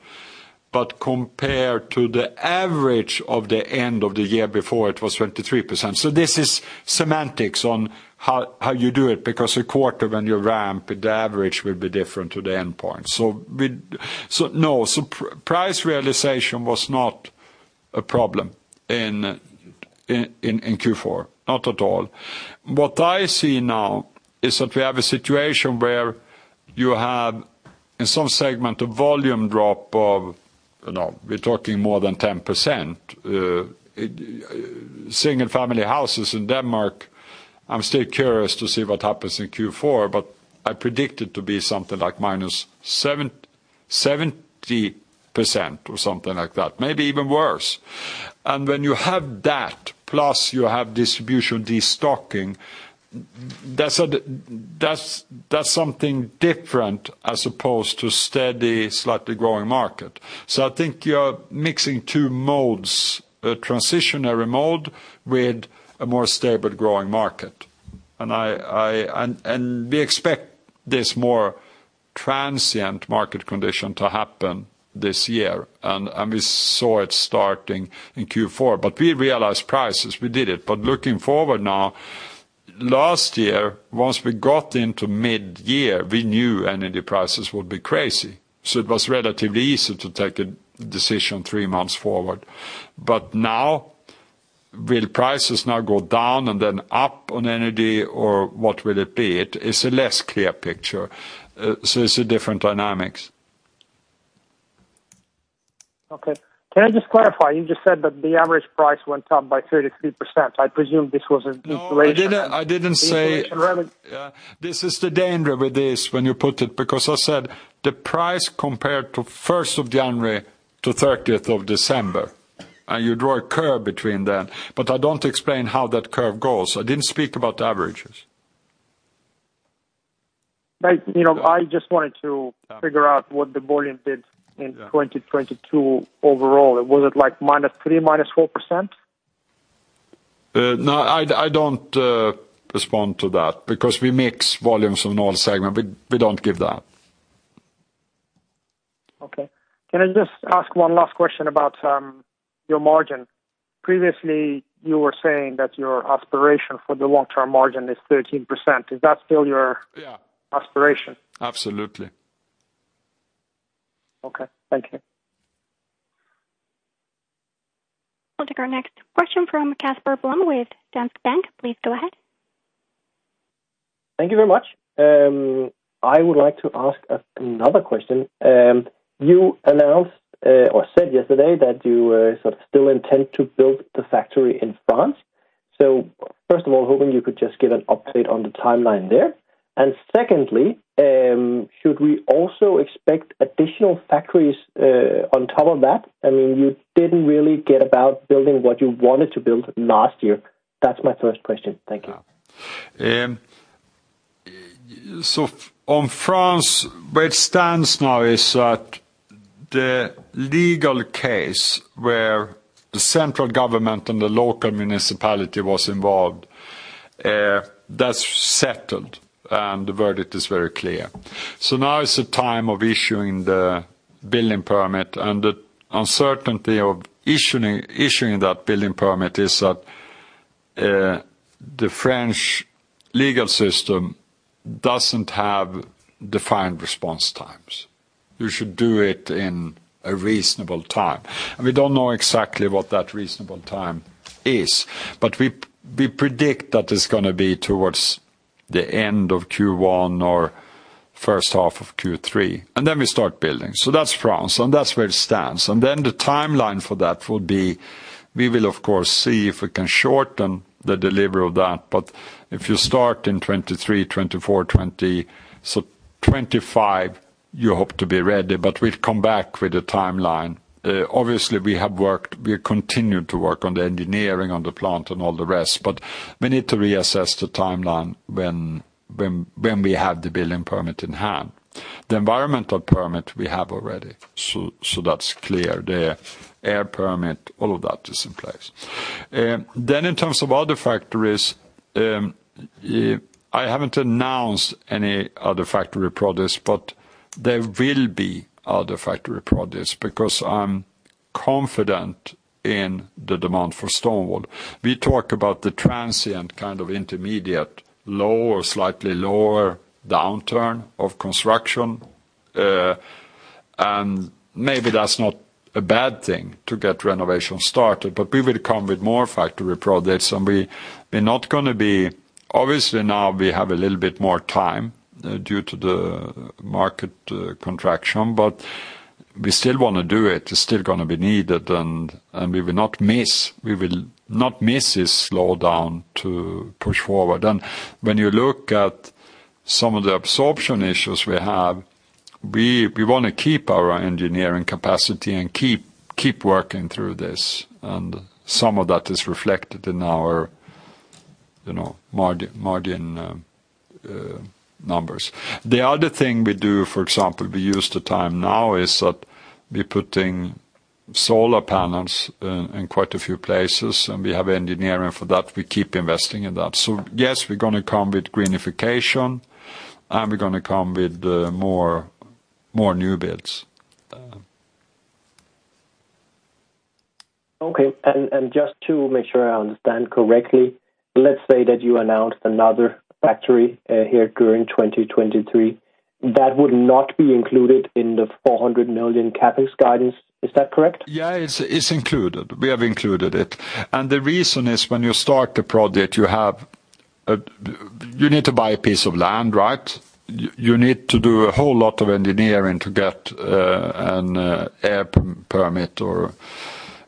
[SPEAKER 2] compared to the average of the end of the year before, it was 33%. This is semantics on how you do it because a quarter when you ramp, the average will be different to the endpoint. No. Price realization was not a problem in Q4, not at all. What I see now is that we have a situation where you have in some segment a volume drop of, you know, we're talking more than 10%. Single-family houses in Denmark, I'm still curious to see what happens in Q4, I predict it to be something like minus 70% or something like that, maybe even worse. When you have that, plus you have distribution destocking, that's a, that's something different as opposed to steady, slightly growing market. I think you're mixing two modes, a transitionary mode with a more stable growing market. I... And we expect this more transient market condition to happen this year, and we saw it starting in Q4. We realized prices. We did it. Looking forward now, last year, once we got into midyear, we knew energy prices would be crazy, so it was relatively easy to take a decision 3 months forward. Now, will prices now go down and then up on energy, or what will it be? It is a less clear picture, so it's a different dynamics.
[SPEAKER 8] Okay. Can I just clarify? You just said that the average price went up by 33%. I presume this was an insulation.
[SPEAKER 2] No, I didn't.
[SPEAKER 8] Insulation rather-
[SPEAKER 2] Yeah. This is the danger with this when you put it, because I said the price compared to first of January to thirtieth of December, and you draw a curve between that. I don't explain how that curve goes. I didn't speak about averages.
[SPEAKER 8] Like, you know, I just wanted to.
[SPEAKER 2] Yeah.
[SPEAKER 8] figure out what the volume did in 2022 overall. Was it like -3%, -4%?
[SPEAKER 2] No, I don't respond to that because we mix volumes in all segment. We don't give that.
[SPEAKER 8] Okay. Can I just ask one last question about your margin? Previously, you were saying that your aspiration for the long-term margin is 13%. Is that still?
[SPEAKER 2] Yeah.
[SPEAKER 8] -aspiration?
[SPEAKER 2] Absolutely.
[SPEAKER 8] Okay. Thank you.
[SPEAKER 3] We'll take our next question from Casper Blom with Danske Bank. Please go ahead.
[SPEAKER 9] Thank you very much. I would like to ask another question. You announced or said yesterday that you sort of still intend to build the factory in France. First of all, hoping you could just give an update on the timeline there. Secondly, should we also expect additional factories on top of that? I mean, you didn't really get about building what you wanted to build last year. That's my first question. Thank you.
[SPEAKER 2] On France, where it stands now is that the legal case where the central government and the local municipality was involved, that's settled, and the verdict is very clear. Now is the time of issuing the building permit, and the uncertainty of issuing that building permit is that the French legal system doesn't have defined response times. You should do it in a reasonable time. We don't know exactly what that reasonable time is, but we predict that it's gonna be towards the end of Q1 or first half of Q3, and then we start building. That's France, and that's where it stands. The timeline for that will be, we will of course see if we can shorten the delivery of that, but if you start in 2023, 2024, 2025, you hope to be ready. We'll come back with a timeline. Obviously, we have worked, we continue to work on the engineering on the plant and all the rest, but we need to reassess the timeline when we have the building permit in hand. The environmental permit we have already, so that's clear. The air permit, all of that is in place. In terms of other factories, I haven't announced any other factory projects, but there will be other factory projects because I'm confident in the demand for stone wool. We talk about the transient kind of intermediate, low or slightly lower downturn of construction. Maybe that's not a bad thing to get renovation started. We will come with more factory projects. Obviously, now we have a little bit more time due to the market contraction. We still wanna do it. It's still gonna be needed, and we will not miss this slowdown to push forward. When you look at some of the absorption issues we have, we wanna keep our engineering capacity and keep working through this. Some of that is reflected in our, you know, margin numbers. The other thing we do, for example, we use the time now is that we're putting solar panels in quite a few places. We have engineering for that. We keep investing in that. Yes, we're gonna come with greenification, and we're gonna come with more new builds.
[SPEAKER 9] Okay. Just to make sure I understand correctly, let's say that you announced another factory here during 2023, that would not be included in the 400 million CapEx guidance. Is that correct?
[SPEAKER 2] Yeah, it's included. We have included it. The reason is when you start the project, you have, you need to buy a piece of land, right? You need to do a whole lot of engineering to get an air permit or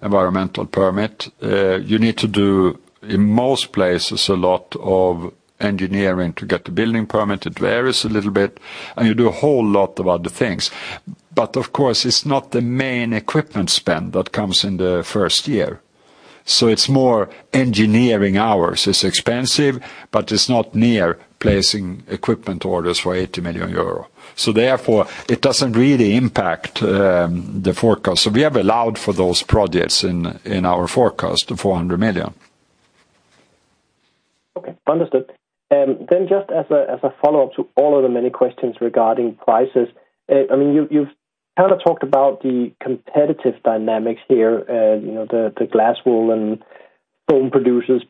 [SPEAKER 2] environmental permit. You need to do, in most places, a lot of engineering to get the building permit. It varies a little bit, and you do a whole lot of other things. Of course, it's not the main equipment spend that comes in the first year. It's more engineering hours. It's expensive, but it's not near placing equipment orders for 80 million euro. Therefore, it doesn't really impact the forecast. We have allowed for those projects in our forecast, the EUR 400 million.
[SPEAKER 9] Okay. Understood. Just as a, as a follow-up to all of the many questions regarding prices, I mean, you've kinda talked about the competitive dynamics here, you know, the glass wool and foam producers.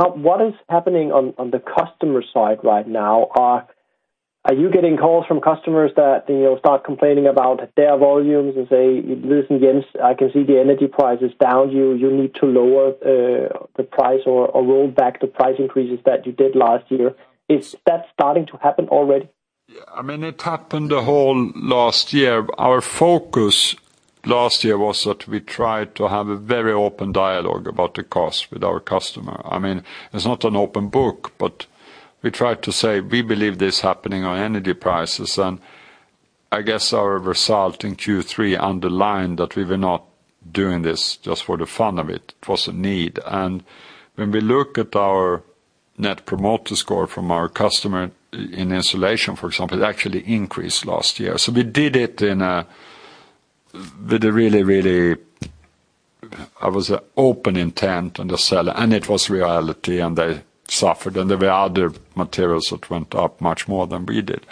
[SPEAKER 9] What is happening on the customer side right now? Are you getting calls from customers that, you know, start complaining about their volumes and say, "Listen, Jens, I can see the energy price is down. You, you need to lower the price or roll back the price increases that you did last year"? Is that starting to happen already?
[SPEAKER 2] Yeah. I mean, it happened the whole last year. Our focus last year was that we tried to have a very open dialogue about the cost with our customer. I mean, it's not an open book, but we tried to say, "We believe this happening on energy prices." I guess our result in Q3 underlined that we were not doing this just for the fun of it was a need. When we look at our net promoter score from our customer in insulation, for example, it actually increased last year. We did it with a really open intent on the sell, and it was reality, and they suffered, and there were other materials that went up much more than we did.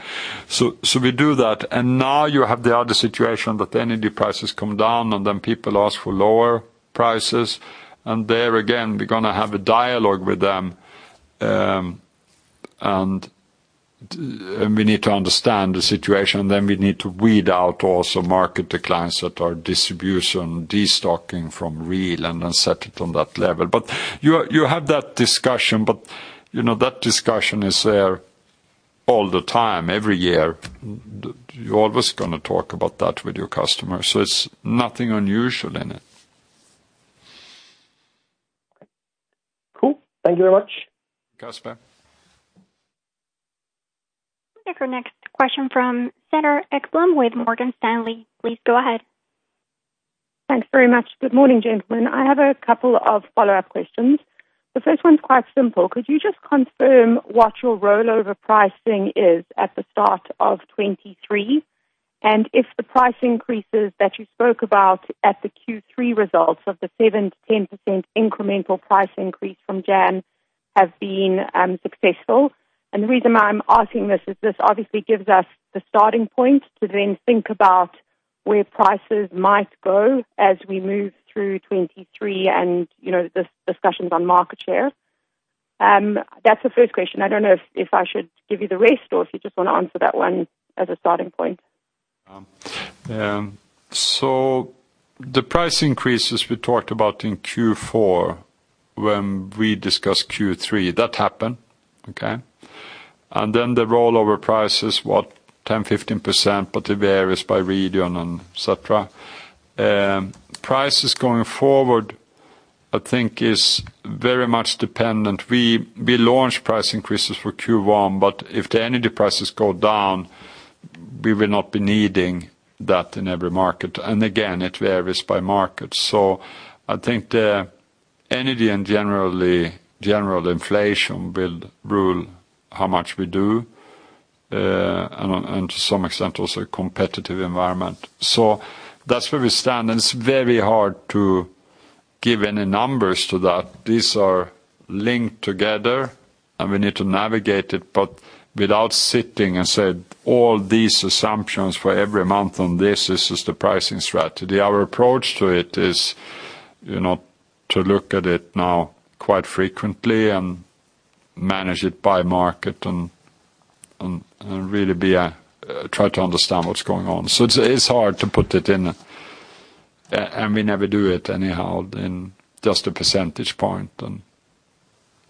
[SPEAKER 2] We do that, now you have the other situation that energy prices come down, and then people ask for lower prices. There again, we're gonna have a dialogue with them, and we need to understand the situation, and then we need to weed out also market declines that are distribution, destocking from real, and then set it on that level. You have that discussion, but you know, that discussion is there all the time, every year. You're always gonna talk about that with your customers, so it's nothing unusual in it.
[SPEAKER 9] Cool. Thank you very much.
[SPEAKER 3] We'll take our next question from Cedar Ekblom with Morgan Stanley. Please go ahead.
[SPEAKER 10] Thanks very much. Good morning, gentlemen. I have a couple of follow-up questions. The first one's quite simple. Could you just confirm what your rollover pricing is at the start of 23? If the price increases that you spoke about at the Q3 results of the 7%-10% incremental price increase from Jan have been successful? The reason why I'm asking this is this obviously gives us the starting point to then think about where prices might go as we move through 23 and, you know, this discussions on market share. That's the first question. I don't know if I should give you the rest or if you just wanna answer that one as a starting point.
[SPEAKER 2] The price increases we talked about in Q4 when we discussed Q3, that happened. Okay? The rollover prices, what, 10-15%, but it varies by region and et cetera. Prices going forward, I think, is very much dependent. We launched price increases for Q1, but if the energy prices go down, we will not be needing that in every market, and again, it varies by market. I think the energy and generally, general inflation will rule how much we do, and to some extent also a competitive environment. That's where we stand, and it's very hard to give any numbers to that. These are linked together. We need to navigate it, but without sitting and saying, "All these assumptions for every month on this is the pricing strategy." Our approach to it is, you know, to look at it now quite frequently and manage it by market and really try to understand what's going on. It's hard to put it in, and we never do it anyhow in just a percentage point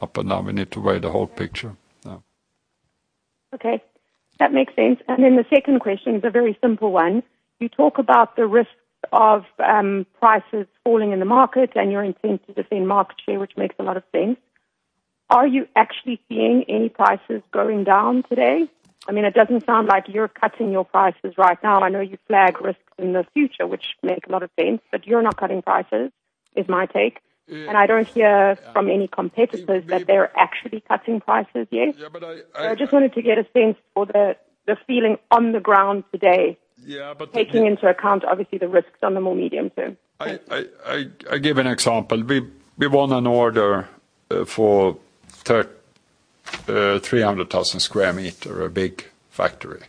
[SPEAKER 2] up and down. We need to weigh the whole picture. Yeah.
[SPEAKER 10] Okay. That makes sense. The second question is a very simple one. You talk about the risks of, prices falling in the market and your intent to defend market share, which makes a lot of sense. Are you actually seeing any prices going down today? I mean, it doesn't sound like you're cutting your prices right now. I know you flag risks in the future, which make a lot of sense, but you're not cutting prices, is my take.
[SPEAKER 2] Yeah.
[SPEAKER 10] I don't hear from any competitors that they're actually cutting prices yet.
[SPEAKER 2] Yeah, but I...
[SPEAKER 10] I just wanted to get a sense for the feeling on the ground today.
[SPEAKER 2] Yeah, but the...
[SPEAKER 10] Taking into account obviously the risks on the more medium term.
[SPEAKER 2] I give an example. We won an order for 300,000 square meter, a big factory.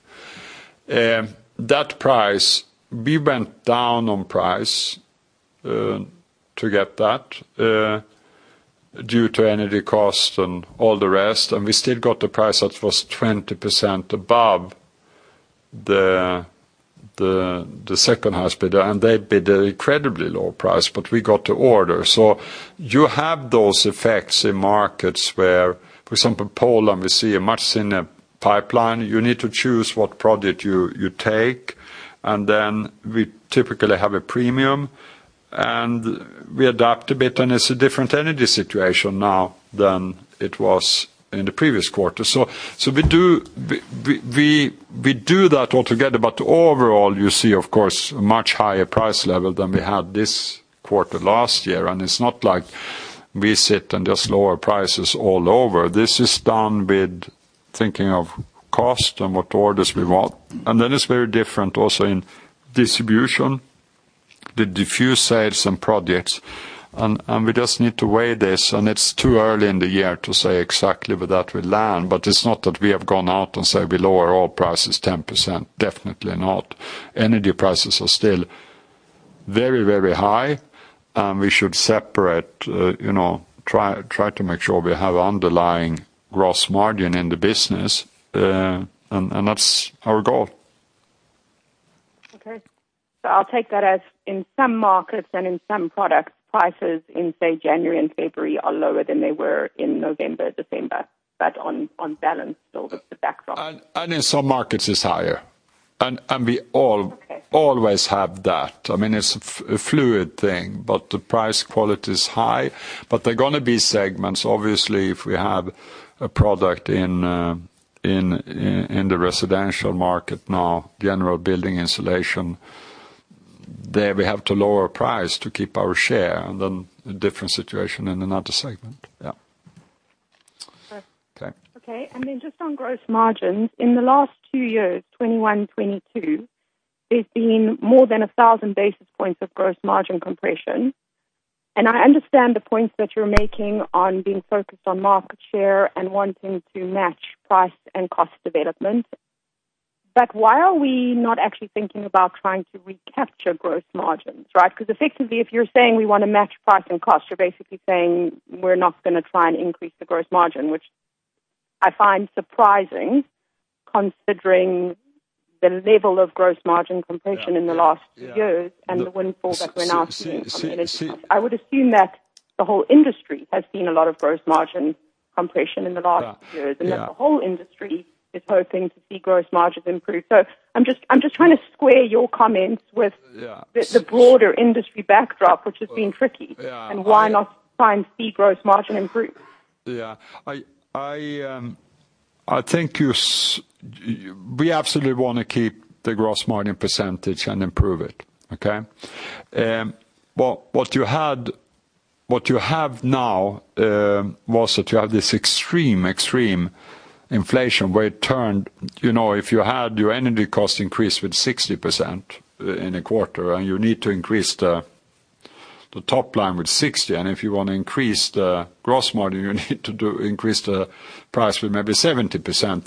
[SPEAKER 2] That price, we went down on price to get that due to energy costs and all the rest, and we still got the price that was 20% above the second highest bidder, and they bid an incredibly low price, but we got the order. You have those effects in markets where, for example, Poland, we see a much thinner pipeline. You need to choose what project you take, and then we typically have a premium, and we adapt a bit, and it's a different energy situation now than it was in the previous quarter. We do... We do that altogether, but overall, you see, of course, much higher price level than we had this quarter last year. It's not like we sit and just lower prices all over. This is done with thinking of cost and what orders we want. Then it's very different also in distribution, the diffuse sales and projects. We just need to weigh this, and it's too early in the year to say exactly where that will land, but it's not that we have gone out and said we lower all prices 10%. Definitely not. Energy prices are still very, very high, and we should separate, you know, try to make sure we have underlying gross margin in the business, and that's our goal.
[SPEAKER 10] Okay. I'll take that as in some markets and in some products, prices in, say, January and February are lower than they were in November, December, but on balance though, that's the backdrop.
[SPEAKER 2] In some markets it's higher. We
[SPEAKER 10] Okay.
[SPEAKER 2] Always have that. I mean, it's a fluid thing, but the price quality is high, but there are gonna be segments, obviously, if we have a product in the residential market now, general building insulation, there we have to lower price to keep our share than a different situation in another segment. Yeah.
[SPEAKER 10] Okay.
[SPEAKER 2] Okay.
[SPEAKER 10] Okay. Just on gross margins, in the last 2 years, 2021, 2022, there's been more than 1,000 basis points of gross margin compression. I understand the points that you're making on being focused on market share and wanting to match price and cost development. Why are we not actually thinking about trying to recapture gross margins, right? Effectively, if you're saying we wanna match price and cost, you're basically saying we're not gonna try and increase the gross margin, which I find surprising, considering the level of gross margin compression in the last years.
[SPEAKER 2] Yeah.
[SPEAKER 10] The windfall that we're now seeing from an energy company. I would assume that the whole industry has seen a lot of gross margin compression in the last years.
[SPEAKER 2] Yeah.
[SPEAKER 10] That the whole industry is hoping to see gross margins improve. I'm just trying to square your comments.
[SPEAKER 2] Yeah.
[SPEAKER 10] The broader industry backdrop, which has been tricky.
[SPEAKER 2] Yeah.
[SPEAKER 10] Why not try and see gross margin improve?
[SPEAKER 2] Yeah. I think We absolutely wanna keep the gross margin percentage and improve it. Okay? What you had, what you have now, was that you have this extreme inflation where it turned, you know, if you had your energy cost increase with 60% in a quarter, and you need to increase the top line with 60%, and if you wanna increase the gross margin, you need to do increase the price with maybe 70%.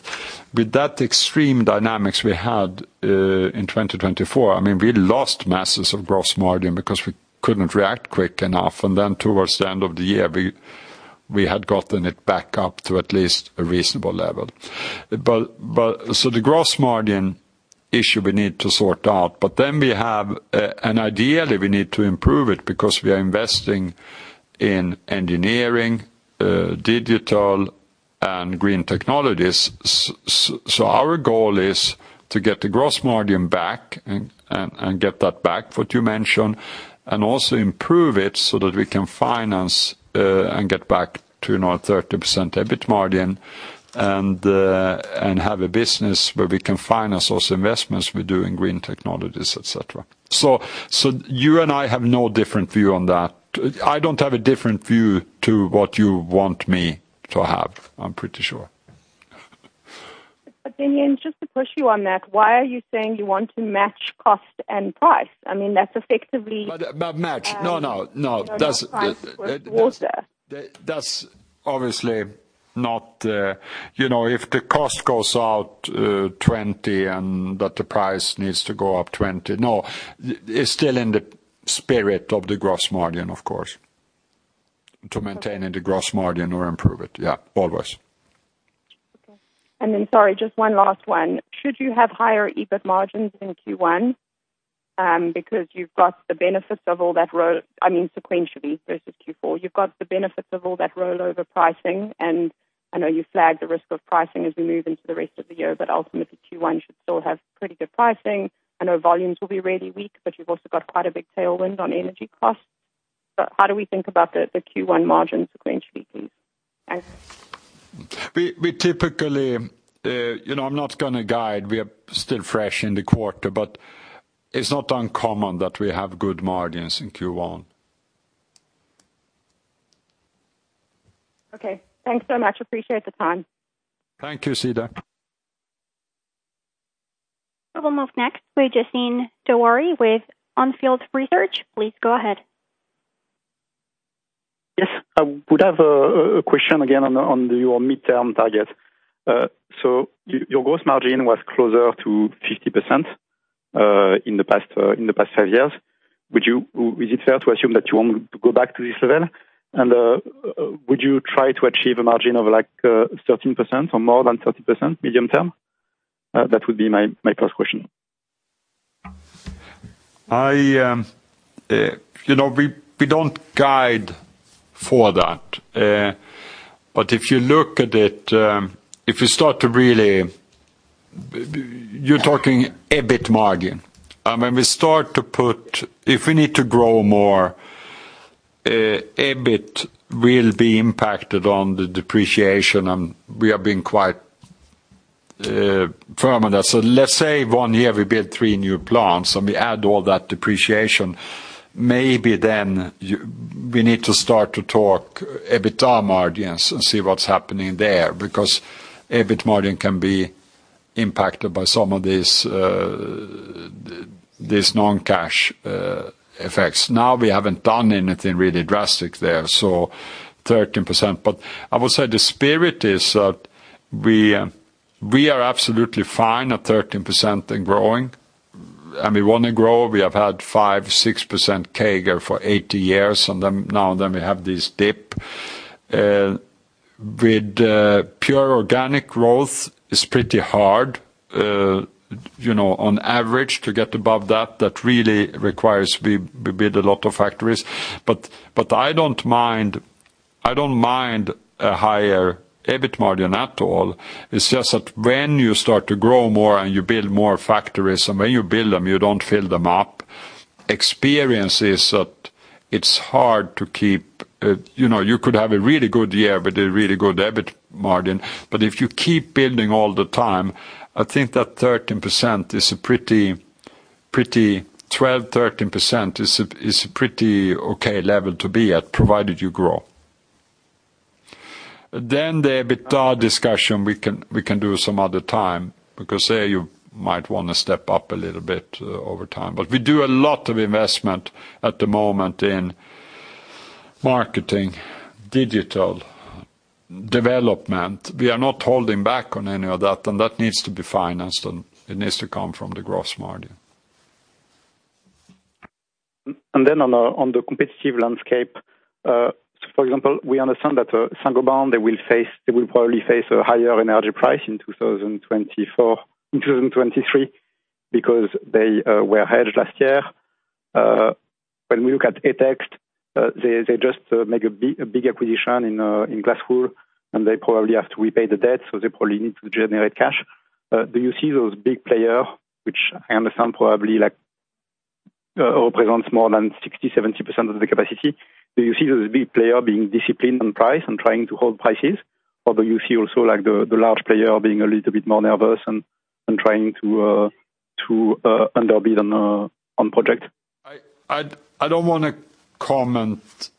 [SPEAKER 2] With that extreme dynamics we had, in 2024, I mean, we lost masses of gross margin because we couldn't react quick enough, and then towards the end of the year, we had gotten it back up to at least a reasonable level. The gross margin issue we need to sort out, but then we have, and ideally, we need to improve it because we are investing in engineering, digital and green technologies. Our goal is to get the gross margin back and get that back, what you mentioned, and also improve it so that we can finance, and get back to now 30% EBIT margin and have a business where we can finance those investments we do in green technologies, et cetera. You and I have no different view on that. I don't have a different view to what you want me to have, I'm pretty sure.
[SPEAKER 10] Ian, just to push you on that, why are you saying you want to match cost and price? I mean, that's.
[SPEAKER 2] By match. No, no. That's obviously not, you know, if the cost goes out 20 and that the price needs to go up 20. No, it's still in the spirit of the gross margin, of course. To maintain the gross margin or improve it. Yeah, always.
[SPEAKER 10] Okay. Sorry, just one last one. Should you have higher EBIT margins in Q1, because you've got the benefits of all that I mean, sequentially versus Q4, you've got the benefits of all that rollover pricing. I know you flagged the risk of pricing as we move into the rest of the year, ultimately Q1 should still have pretty good pricing. I know volumes will be really weak, you've also got quite a big tailwind on energy costs. How do we think about the Q1 margins sequentially, please? Thanks.
[SPEAKER 2] We typically, you know, I'm not gonna guide, we are still fresh in the quarter, but it's not uncommon that we have good margins in Q1.
[SPEAKER 10] Okay. Thanks so much. Appreciate the time.
[SPEAKER 2] Thank you, Cedar.
[SPEAKER 3] We'll move next to Justine Dowari with On Field Investment Research. Please go ahead.
[SPEAKER 11] Yes. I would have a question again on the, on your midterm target. Your gross margin was closer to 50% in the past 5 years. Is it fair to assume that you want to go back to this level? Would you try to achieve a margin of like 13% or more than 13% medium term? That would be my first question.
[SPEAKER 2] I, you know, we don't guide for that. If you look at it, if you start to really, you're talking EBIT margin. I mean, if we need to grow more, EBIT will be impacted on the depreciation, and we have been quite firm on that. Let's say one year we build three new plants, and we add all that depreciation, maybe then we need to start to talk EBITDA margins and see what's happening there, because EBIT margin can be impacted by some of these non-cash effects. We haven't done anything really drastic there, so 13%. I would say the spirit is that we are absolutely fine at 13% and growing, and we wanna grow. We have had 5%, 6% CAGR for 80 years. Now and then we have this dip. With pure organic growth is pretty hard, you know, on average to get above that. That really requires we build a lot of factories. I don't mind a higher EBIT margin at all. It's just that when you start to grow more and you build more factories, and when you build them, you don't fill them up, experience is that it's hard to keep. You know, you could have a really good year with a really good EBIT margin, but if you keep building all the time, I think that 12%-13% is a pretty okay level to be at, provided you grow. The EBITDA discussion we can do some other time, because there you might wanna step up a little bit over time. We do a lot of investment at the moment in marketing, digital development. We are not holding back on any of that, and that needs to be financed, and it needs to come from the gross margin.
[SPEAKER 11] On the competitive landscape, for example, we understand that Saint-Gobain, they will probably face a higher energy price in 2023, because they were hedged last year. When we look at Etex, they just make a big acquisition in glass wool, and they probably have to repay the debt, so they probably need to generate cash. Do you see those big player, which I understand probably like, represents more than 60%-70% of the capacity, do you see those big player being disciplined on price and trying to hold prices? Or do you see also like the large player being a little bit more nervous and trying to underbid on project?
[SPEAKER 2] I don't wanna comment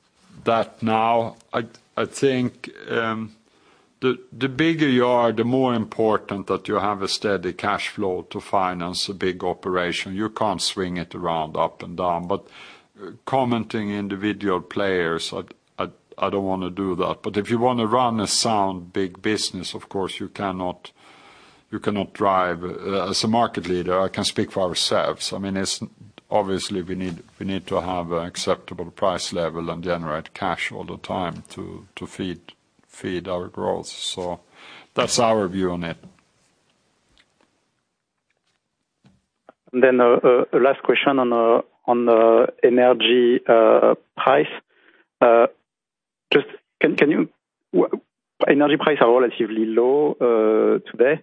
[SPEAKER 2] that now. I think the bigger you are, the more important that you have a steady cash flow to finance a big operation. You can't swing it around up and down. Commenting individual players, I don't wanna do that. If you wanna run a sound big business, of course you cannot drive. As a market leader, I can speak for ourselves. I mean, it's obviously we need to have an acceptable price level and generate cash all the time to feed our growth. That's our view on it.
[SPEAKER 11] The last question on the energy price? Just energy price are relatively low today.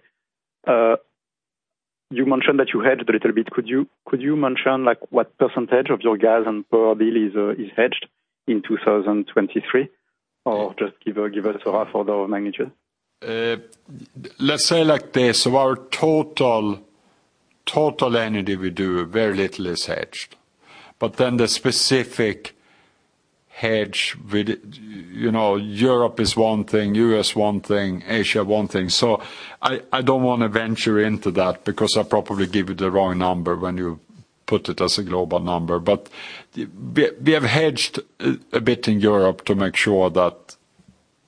[SPEAKER 11] You mentioned that you hedged a little bit. Could you mention, like, what percentage of your gas and power bill is hedged in 2023? Just give us a rough order of magnitude?
[SPEAKER 2] Let's say it like this. Our total energy we do, very little is hedged. The specific hedge with, you know, Europe is one thing, U.S. one thing, Asia one thing. I don't wanna venture into that because I'll probably give you the wrong number when you put it as a global number. We have hedged a bit in Europe to make sure that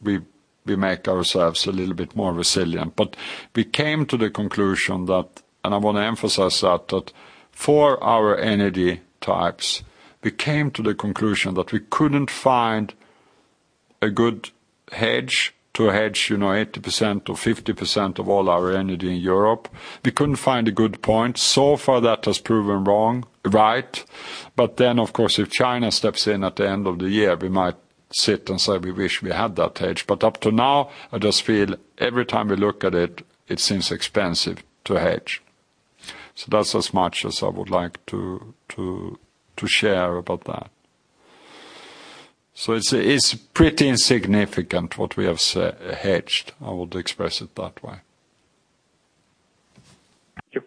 [SPEAKER 2] we make ourselves a little bit more resilient. We came to the conclusion that, and I wanna emphasize that for our energy types, we came to the conclusion that we couldn't find a good hedge, you know, 80% or 50% of all our energy in Europe. We couldn't find a good point. So far, that has proven wrong, right. Of course, if China steps in at the end of the year, we might sit and say we wish we had that hedge. Up to now, I just feel every time we look at it seems expensive to hedge. That's as much as I would like to share about that. It's pretty insignificant what we have hedged, I would express it that way.
[SPEAKER 11] Thank you.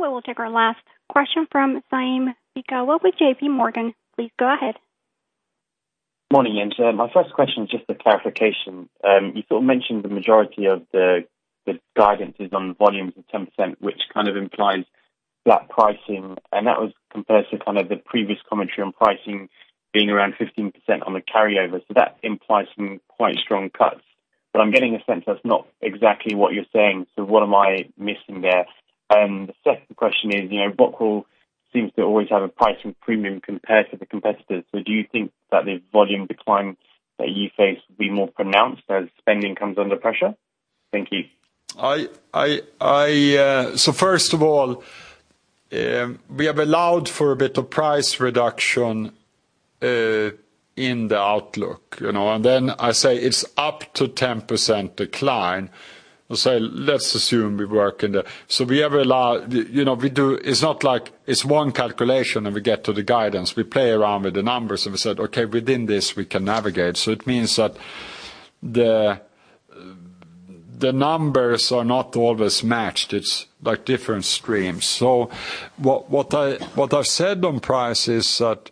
[SPEAKER 3] We will take our last question from Saim Sikander with JP Morgan. Please go ahead.
[SPEAKER 12] Morning, Jens. My first question is just a clarification. You sort of mentioned the majority of the guidance is on volumes of 10%, which kind of implies flat pricing, and that was compared to kind of the previous commentary on pricing being around 15% on the carryover. That implies some quite strong cuts. I'm getting a sense that's not exactly what you're saying, so what am I missing there? The second question is, you know, Rockwool seems to always have a pricing premium compared to the competitors. Do you think that the volume decline that you face will be more pronounced as spending comes under pressure? Thank you.
[SPEAKER 2] I, so first of all, we have allowed for a bit of price reduction in the outlook, you know. I say it's up to 10% decline. Let's assume we work in the... We have allow, you know, we do... It's not like it's one calculation, and we get to the guidance. We play around with the numbers, and we said, "Okay, within this, we can navigate." It means that the numbers are not always matched. It's like different streams. What I've said on price is that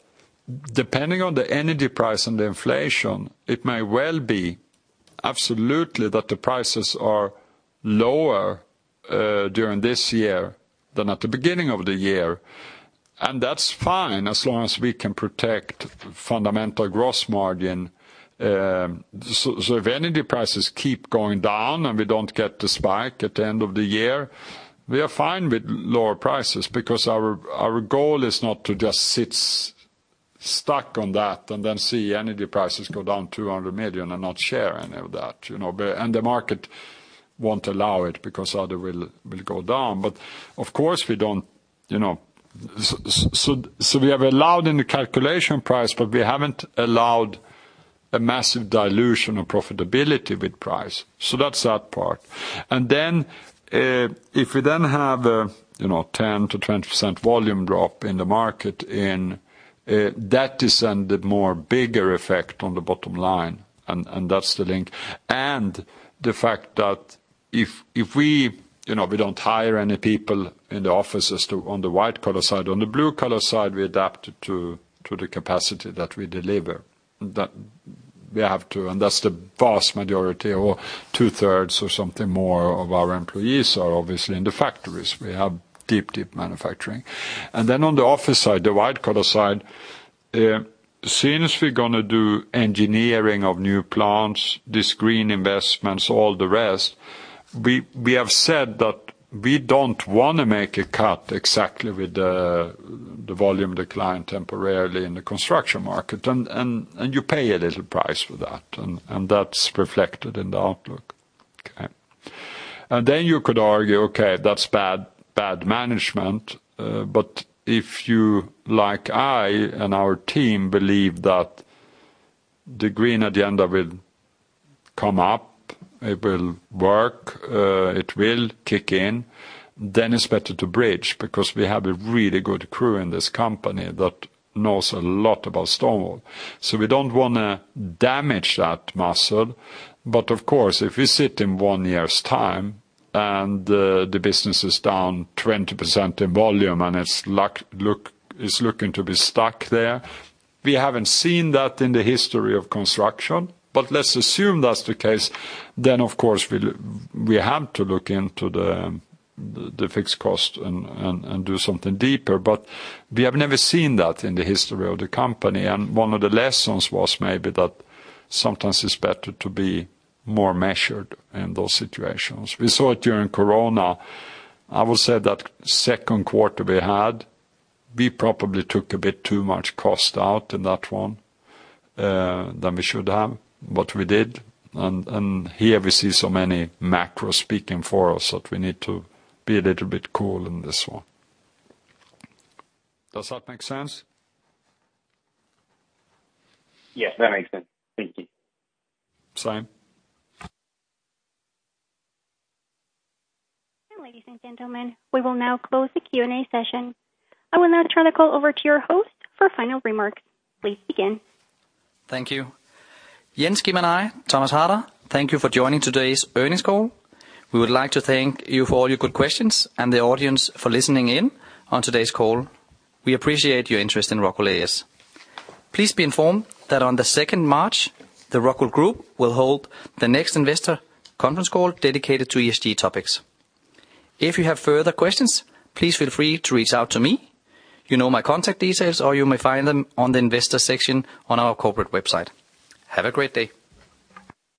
[SPEAKER 2] depending on the energy price and the inflation, it may well be absolutely that the prices are lower during this year than at the beginning of the year, and that's fine as long as we can protect fundamental gross margin. If energy prices keep going down, and we don't get the spike at the end of the year, we are fine with lower prices because our goal is not to just sit stuck on that and then see energy prices go down 200 million and not share any of that, you know. The market won't allow it because either will go down. Of course we don't, you know. We have allowed in the calculation price, but we haven't allowed a massive dilution of profitability with price. That's that part. Then, if we then have a, you know, 10%-20% volume drop in the market in, that is then the bigger effect on the bottom line, and that's the link. The fact that if we, you know, we don't hire any people in the offices to, on the white-collar side. On the blue-collar side, we adapt to the capacity that we deliver, that we have to, and that's the vast majority or two-thirds or something more of our employees are obviously in the factories. We have deep manufacturing. Then on the office side, the white-collar side, since we're gonna do engineering of new plants, these green investments, all the rest, we have said that we don't wanna make a cut exactly with the volume decline temporarily in the construction market. You pay a little price for that, and that's reflected in the outlook. Okay? Then you could argue, okay, that's bad management. If you, like I and our team, believe that the green agenda will come up, it will work, it will kick in, then it's better to bridge because we have a really good crew in this company that knows a lot about stone wool. We don't wanna damage that muscle. Of course, if we sit in one year's time, and the business is down 20% in volume, and it's look, is looking to be stuck there, we haven't seen that in the history of construction. Let's assume that's the case, then, of course, we have to look into the fixed cost and do something deeper. We have never seen that in the history of the company, and one of the lessons was maybe that sometimes it's better to be more measured in those situations. We saw it during Corona. I would say that second quarter we had, we probably took a bit too much cost out in that one, than we should have, but we did. Here we see so many macro speaking for us that we need to be a little bit cool in this one. Does that make sense?
[SPEAKER 12] Yes, that makes sense. Thank you.
[SPEAKER 2] Saim.
[SPEAKER 3] Ladies and gentlemen, we will now close the Q&A session. I will now turn the call over to your host for final remarks. Please begin.
[SPEAKER 1] Thank you. Jens, Kim, and I, Thomas Harder, thank you for joining today's earnings call. We would like to thank you for all your good questions and the audience for listening in on today's call. We appreciate your interest in Rockwool A/S. Please be informed that on the second March, the Rockwool Group will hold the next investor conference call dedicated to ESG topics. If you have further questions, please feel free to reach out to me. You know my contact details, or you may find them on the investor section on our corporate website. Have a great day.